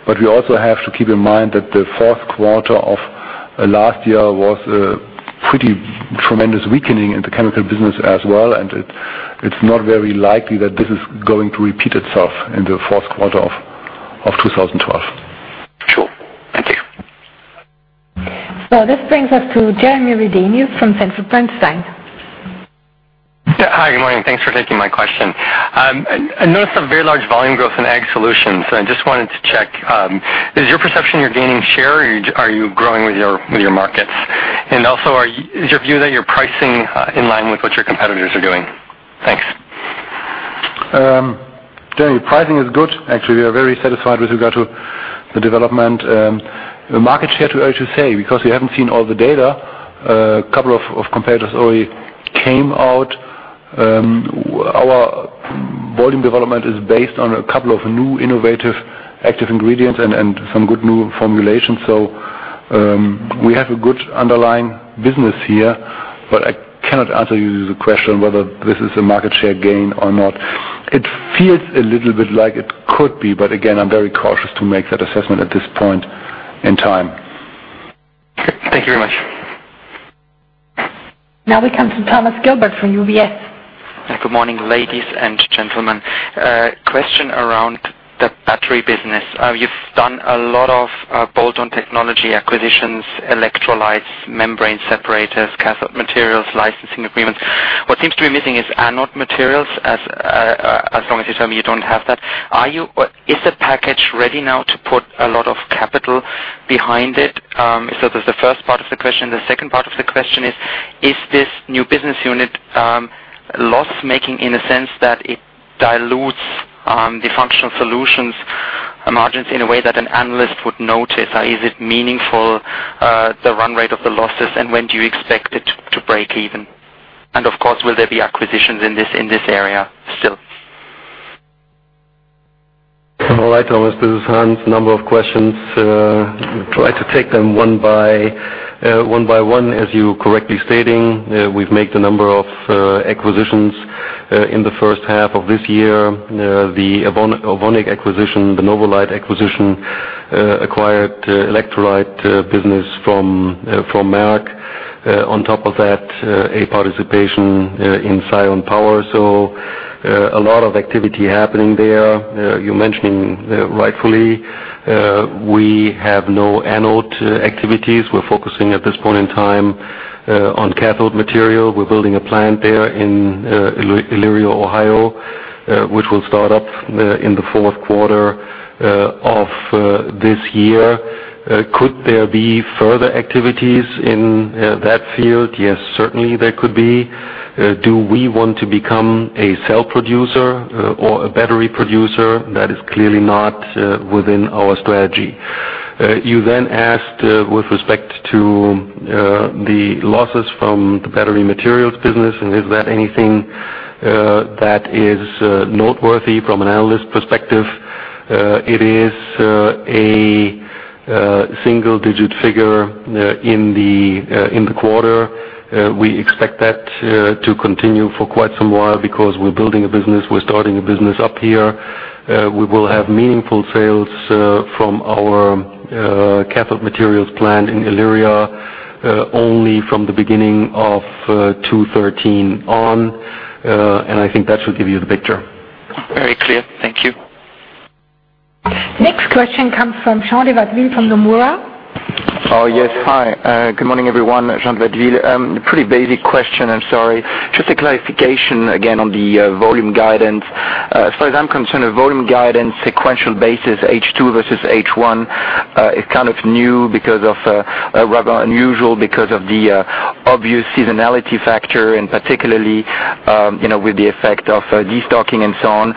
We also have to keep in mind that the fourth quarter of last year was a pretty tremendous weakening in the chemical business as well. It's not very likely that this is going to repeat itself in the fourth quarter of 2012. Sure. Thank you. This brings us to Jeremy Redenius from Sanford C. Bernstein & Co. Yeah, hi, good morning. Thanks for taking my question. I noticed a very large volume growth in ag solutions, so I just wanted to check, is your perception you're gaining share or are you growing with your markets? Also, is your view that you're pricing in line with what your competitors are doing? Thanks. Jeremy, pricing is good. Actually, we are very satisfied with regard to the development. The market share, too early to say, because we haven't seen all the data. A couple of competitors already came out. Our volume development is based on a couple of new innovative active ingredients and some good new formulations. We have a good underlying business here, but I cannot answer you the question whether this is a market share gain or not. It feels a little bit like it could be, but again, I'm very cautious to make that assessment at this point in time. Thank you very much. Now we come to Thomas Gilbert from UBS. Good morning, ladies and gentlemen. Question around the battery business. You've done a lot of bolt-on technology acquisitions, electrolytes, membrane separators, cathode materials, licensing agreements. What seems to be missing is anode materials, as long as you tell me you don't have that. Is the package ready now to put a lot of capital behind it? That's the first part of the question. The second part of the question is this new business unit loss-making in a sense that it dilutes the functional solutions margins in a way that an analyst would notice? Is it meaningful, the run rate of the losses? And when do you expect it to break even? And of course, will there be acquisitions in this area still? All right, Thomas, this is Hans. A number of questions. Try to take them one by one. As you're correctly stating, we've made a number of acquisitions in the first half of this year. The Ovonic acquisition, the Novolyte acquisition, acquired electrolyte business from Merck. On top of that, a participation in Sion Power. A lot of activity happening there. You're mentioning rightfully, we have no anode activities. We're focusing at this point in time on cathode material. We're building a plant there in Elyria, Ohio, which will start up in the fourth quarter of this year. Could there be further activities in that field? Yes, certainly there could be. Do we want to become a cell producer or a battery producer? That is clearly not within our strategy. You asked with respect to the losses from the battery materials business, and is that anything that is noteworthy from an analyst perspective? It is a single-digit figure in the quarter. We expect that to continue for quite some while because we're building a business. We're starting a business up here. We will have meaningful sales from our cathode materials plant in Elyria only from the beginning of 2013 on, and I think that should give you the picture. Very clear. Thank you. Next question comes from Jean De Watteville from Nomura. Oh, yes. Hi. Good morning, everyone. Jean de Watteville. Pretty basic question. I'm sorry. Just a clarification again on the volume guidance. As far as I'm concerned, a volume guidance sequential basis H2 versus H1 is kind of new, rather unusual because of the obvious seasonality factor and particularly, you know, with the effect of destocking and so on.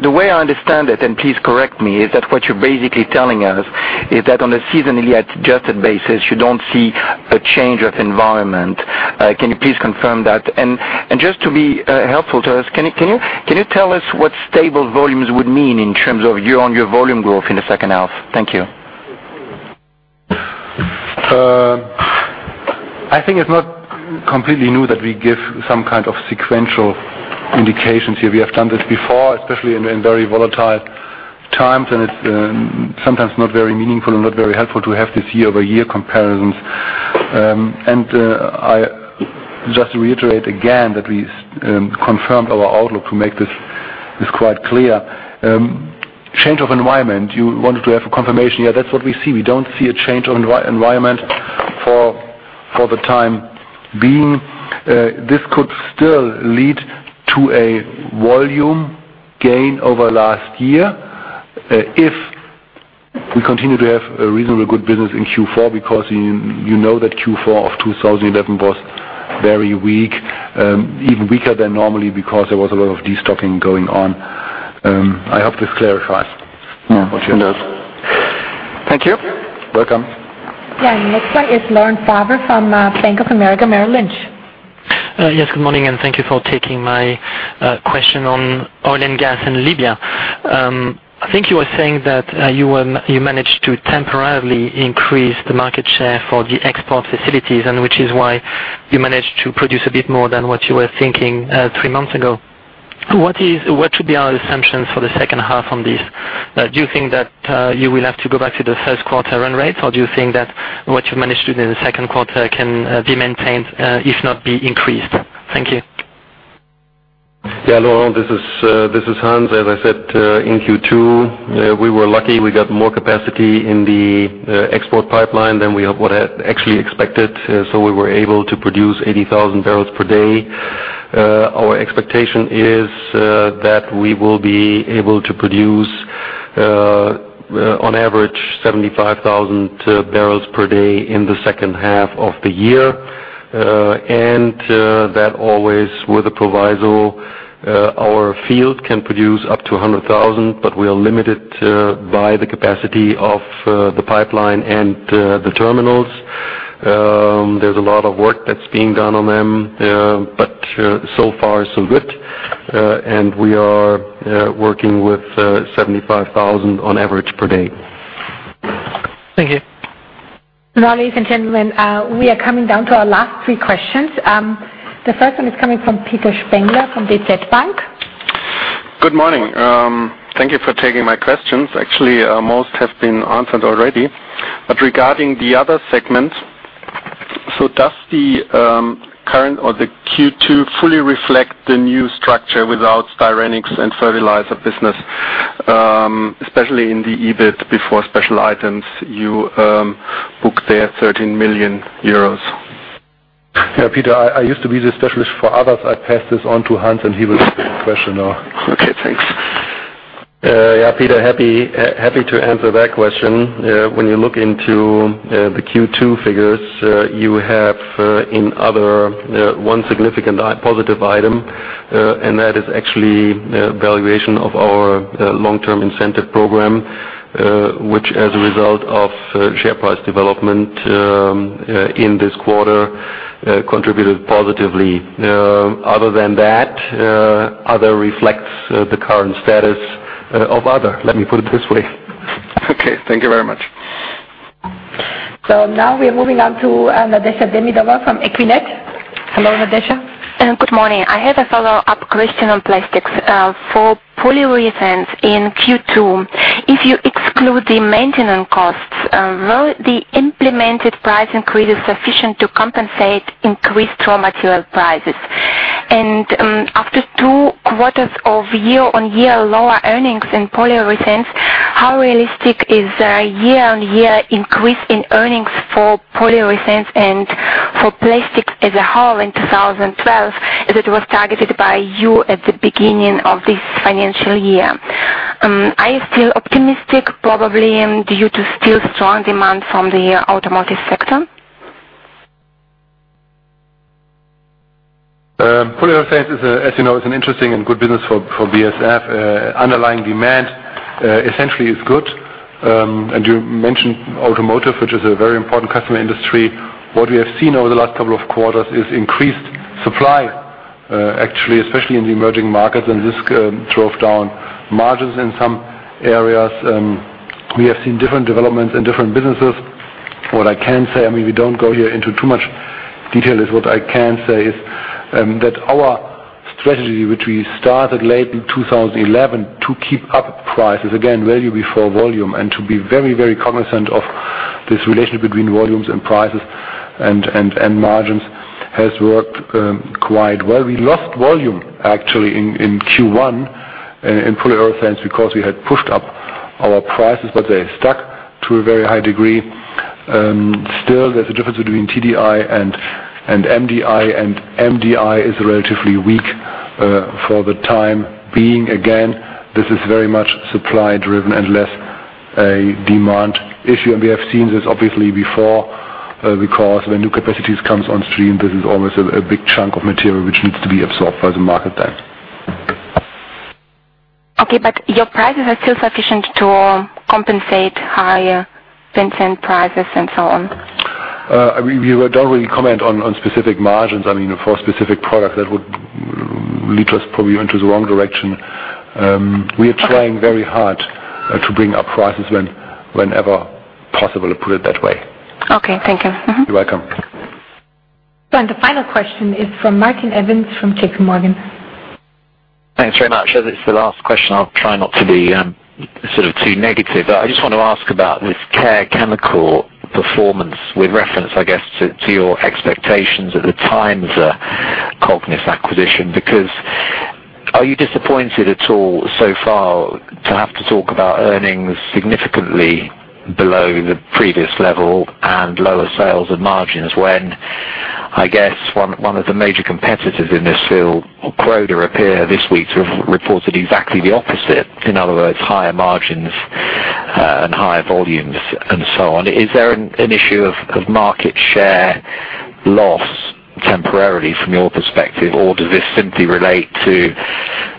The way I understand it, and please correct me, is that what you're basically telling us is that on a seasonally adjusted basis, you don't see a change of environment. Can you please confirm that? And just to be helpful to us, can you tell us what stable volumes would mean in terms of your volume growth in the second half? Thank you. I think it's not completely new that we give some kind of sequential indications here. We have done this before, especially in very volatile times, and it's sometimes not very meaningful and not very helpful to have this year-over-year comparisons. I just reiterate again that we confirmed our outlook to make this quite clear. Change of environment, you wanted to have a confirmation. Yeah, that's what we see. We don't see a change environment for the time being. This could still lead to a volume gain over last year, if we continue to have a reasonably good business in Q4 because you know that Q4 of 2011 was very weak, even weaker than normally because there was a lot of destocking going on. I hope this clarifies. Yeah, it does. Thank you. Welcome. Yeah. The next one is Laurent Favre from Bank of America Merrill Lynch. Yes, good morning, and thank you for taking my question on oil and gas in Libya. I think you were saying that you managed to temporarily increase the market share for the export facilities, and which is why you managed to produce a bit more than what you were thinking, three months ago. What should be our assumptions for the second half on this? Do you think that you will have to go back to the first quarter run rates, or do you think that what you managed to do in the second quarter can be maintained, if not be increased? Thank you. Yeah, Laurent, this is Hans. As I said, in Q2, we were lucky we got more capacity in the export pipeline than we have what I actually expected, so we were able to produce 80,000 barrels per day. Our expectation is that we will be able to produce, on average 75,000 barrels per day in the second half of the year, and that always with a proviso, our field can produce up to 100,000, but we are limited by the capacity of the pipeline and the terminals. There's a lot of work that's being done on them, but so far, so good, and we are working with 75,000 on average per day. Thank you. Now, ladies and gentlemen, we are coming down to our last three questions. The first one is coming from Peter Spengler from DZ Bank. Good morning. Thank you for taking my questions. Actually, most have been answered already, but regarding the other segment, does the current or the Q2 fully reflect the new structure without styrenics and fertilizer business, especially in the EBIT before special items, you booked there 13 million euros? Yeah, Peter, I used to be the specialist for others. I pass this on to Hans, and he will take the question now. Okay, thanks. Yeah, Peter, happy to answer that question. When you look into the Q2 figures, you have in other one significant positive item, and that is actually valuation of our long-term incentive program, which as a result of share price development in this quarter contributed positively. Other than that, other reflects the current status of other, let me put it this way. Okay, thank you very much. Now we're moving on to Nadeshda Demidov from Equinet. Hello, Nadeshda. Good morning. I have a follow-up question on plastics. For polyolefins in Q2, if you exclude the maintenance costs, were the implemented price increases sufficient to compensate increased raw material prices? After two quarters of year-on-year lower earnings in polyolefins, how realistic is a year-on-year increase in earnings for polyolefins and for plastics as a whole in 2012 as it was targeted by you at the beginning of this financial year? Are you still optimistic, probably, due to still strong demand from the automotive sector? Polyolefins is a, as you know, an interesting and good business for BASF. Underlying demand essentially is good. You mentioned automotive, which is a very important customer industry. What we have seen over the last couple of quarters is increased supply, actually, especially in the emerging markets, and this drove down margins in some areas. We have seen different developments in different businesses. What I can say, I mean, we don't go here into too much detail, is that our strategy, which we started late in 2011 to keep up prices, again, value before volume, and to be very, very cognizant of this relationship between volumes and prices and margins, has worked quite well. We lost volume actually in Q1 in polyolefins because we had pushed up our prices, but they stuck to a very high degree. Still, there's a difference between TDI and MDI, and MDI is relatively weak for the time being. Again, this is very much supply-driven and less a demand issue, and we have seen this obviously before, because when new capacities comes on stream, this is always a big chunk of material which needs to be absorbed by the market then. Okay, your prices are still sufficient to compensate higher benzene prices and so on? I mean, we don't really comment on specific margins. I mean, for a specific product that would lead us probably into the wrong direction. We are trying very hard to bring up prices whenever possible, to put it that way. Okay. Thank you. You're welcome. the final question is from Martin Evans from JPMorgan. Thanks very much. As it's the last question, I'll try not to be sort of too negative. I just want to ask about this Care Chemicals performance with reference, I guess, to your expectations at the time of the Cognis acquisition. Because are you disappointed at all so far to have to talk about earnings significantly below the previous level and lower sales and margins when, I guess, one of the major competitors in this field, Croda, appear this week to have reported exactly the opposite? In other words, higher margins and higher volumes and so on. Is there an issue of market share loss temporarily from your perspective, or does this simply relate to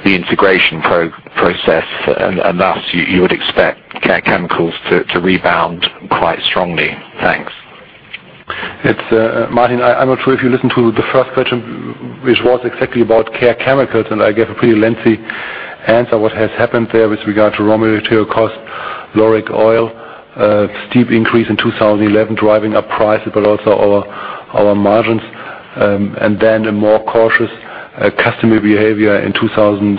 the integration process and thus you would expect Care Chemicals to rebound quite strongly? Thanks. It's Martin, I'm not sure if you listened to the first question, which was exactly about Care Chemicals, and I gave a pretty lengthy answer what has happened there with regard to raw material cost, lauric oil, a steep increase in 2011 driving up prices, but also our margins. And then a more cautious customer behavior in 2012,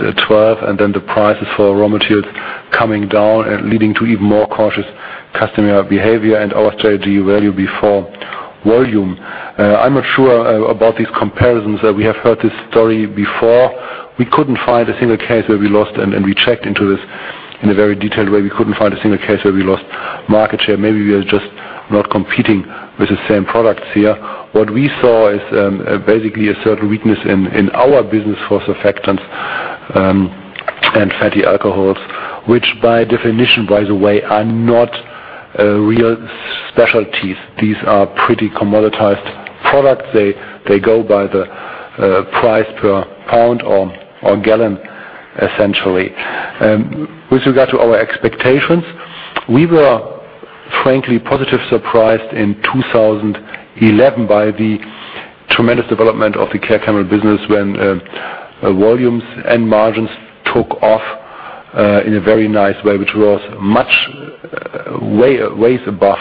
and then the prices for raw materials coming down and leading to even more cautious customer behavior and our strategy value before volume. I'm not sure about these comparisons. We have heard this story before. We couldn't find a single case where we lost, and we checked into this in a very detailed way. We couldn't find a single case where we lost market share. Maybe we are just not competing with the same products here. What we saw is basically a certain weakness in our business for surfactants and fatty alcohols, which by definition, by the way, are not real specialties. These are pretty commoditized products. They go by the price per pound or gallon, essentially. With regard to our expectations, we were frankly positive surprised in 2011 by the tremendous development of the Care Chemical business when volumes and margins took off in a very nice way, which was ways above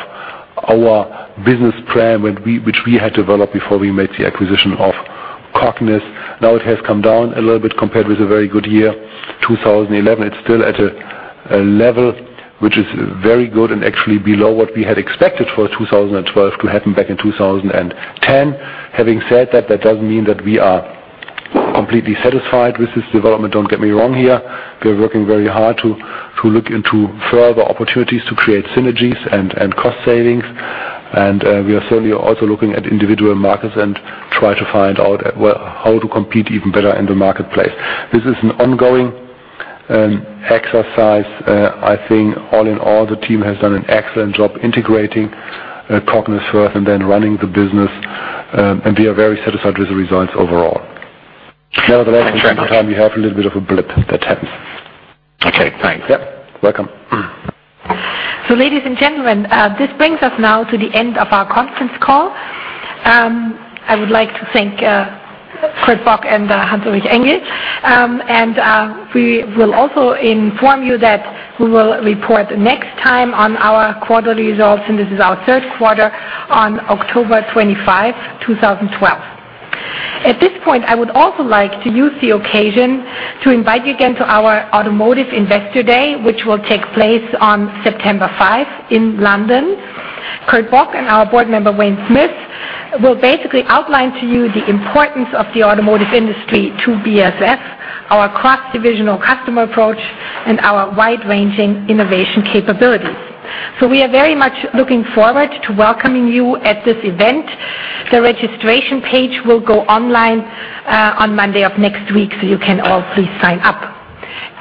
our business plan which we had developed before we made the acquisition of Cognis. Now it has come down a little bit compared with a very good year, 2011. It's still at a level which is very good and actually below what we had expected for 2012 to happen back in 2010. Having said that doesn't mean that we are completely satisfied with this development. Don't get me wrong here. We are working very hard to look into further opportunities to create synergies and cost savings. We are certainly also looking at individual markets and try to find out how to compete even better in the marketplace. This is an ongoing exercise. I think all in all, the team has done an excellent job integrating Cognis first and then running the business. We are very satisfied with the results overall. Thanks very much. Nevertheless, from time to time we have a little bit of a blip that happens. Okay, thanks. Yep. Welcome. Ladies and gentlemen, this brings us now to the end of our conference call. I would like to thank Kurt Bock and Hans-Ulrich Engel. We will also inform you that we will report next time on our quarter results, and this is our third quarter on October 25, 2012. At this point, I would also like to use the occasion to invite you again to our Automotive Investor Day, which will take place on September 5 in London. Kurt Bock and our board member, Wayne Smith, will basically outline to you the importance of the automotive industry to BASF, our cross-divisional customer approach, and our wide-ranging innovation capabilities. We are very much looking forward to welcoming you at this event. The registration page will go online on Monday of next week, so you can all please sign up.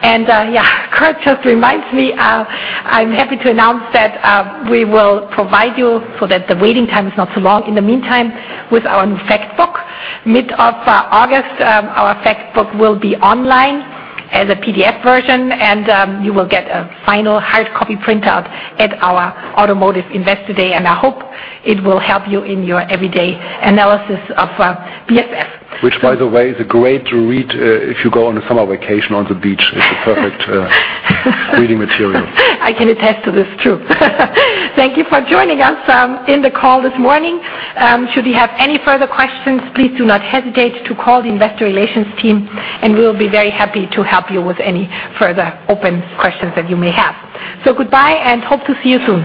Kurt just reminds me, I'm happy to announce that we will provide you so that the waiting time is not so long in the meantime with our new fact book. Mid of August, our fact book will be online as a PDF version, and you will get a final hard copy printout at our Automotive Investor Day, and I hope it will help you in your everyday analysis of BASF. Which by the way, is a great read, if you go on a summer vacation on the beach. It's a perfect reading material. I can attest to this, too. Thank you for joining us in the call this morning. Should you have any further questions, please do not hesitate to call the investor relations team, and we'll be very happy to help you with any further open questions that you may have. Goodbye, and hope to see you soon.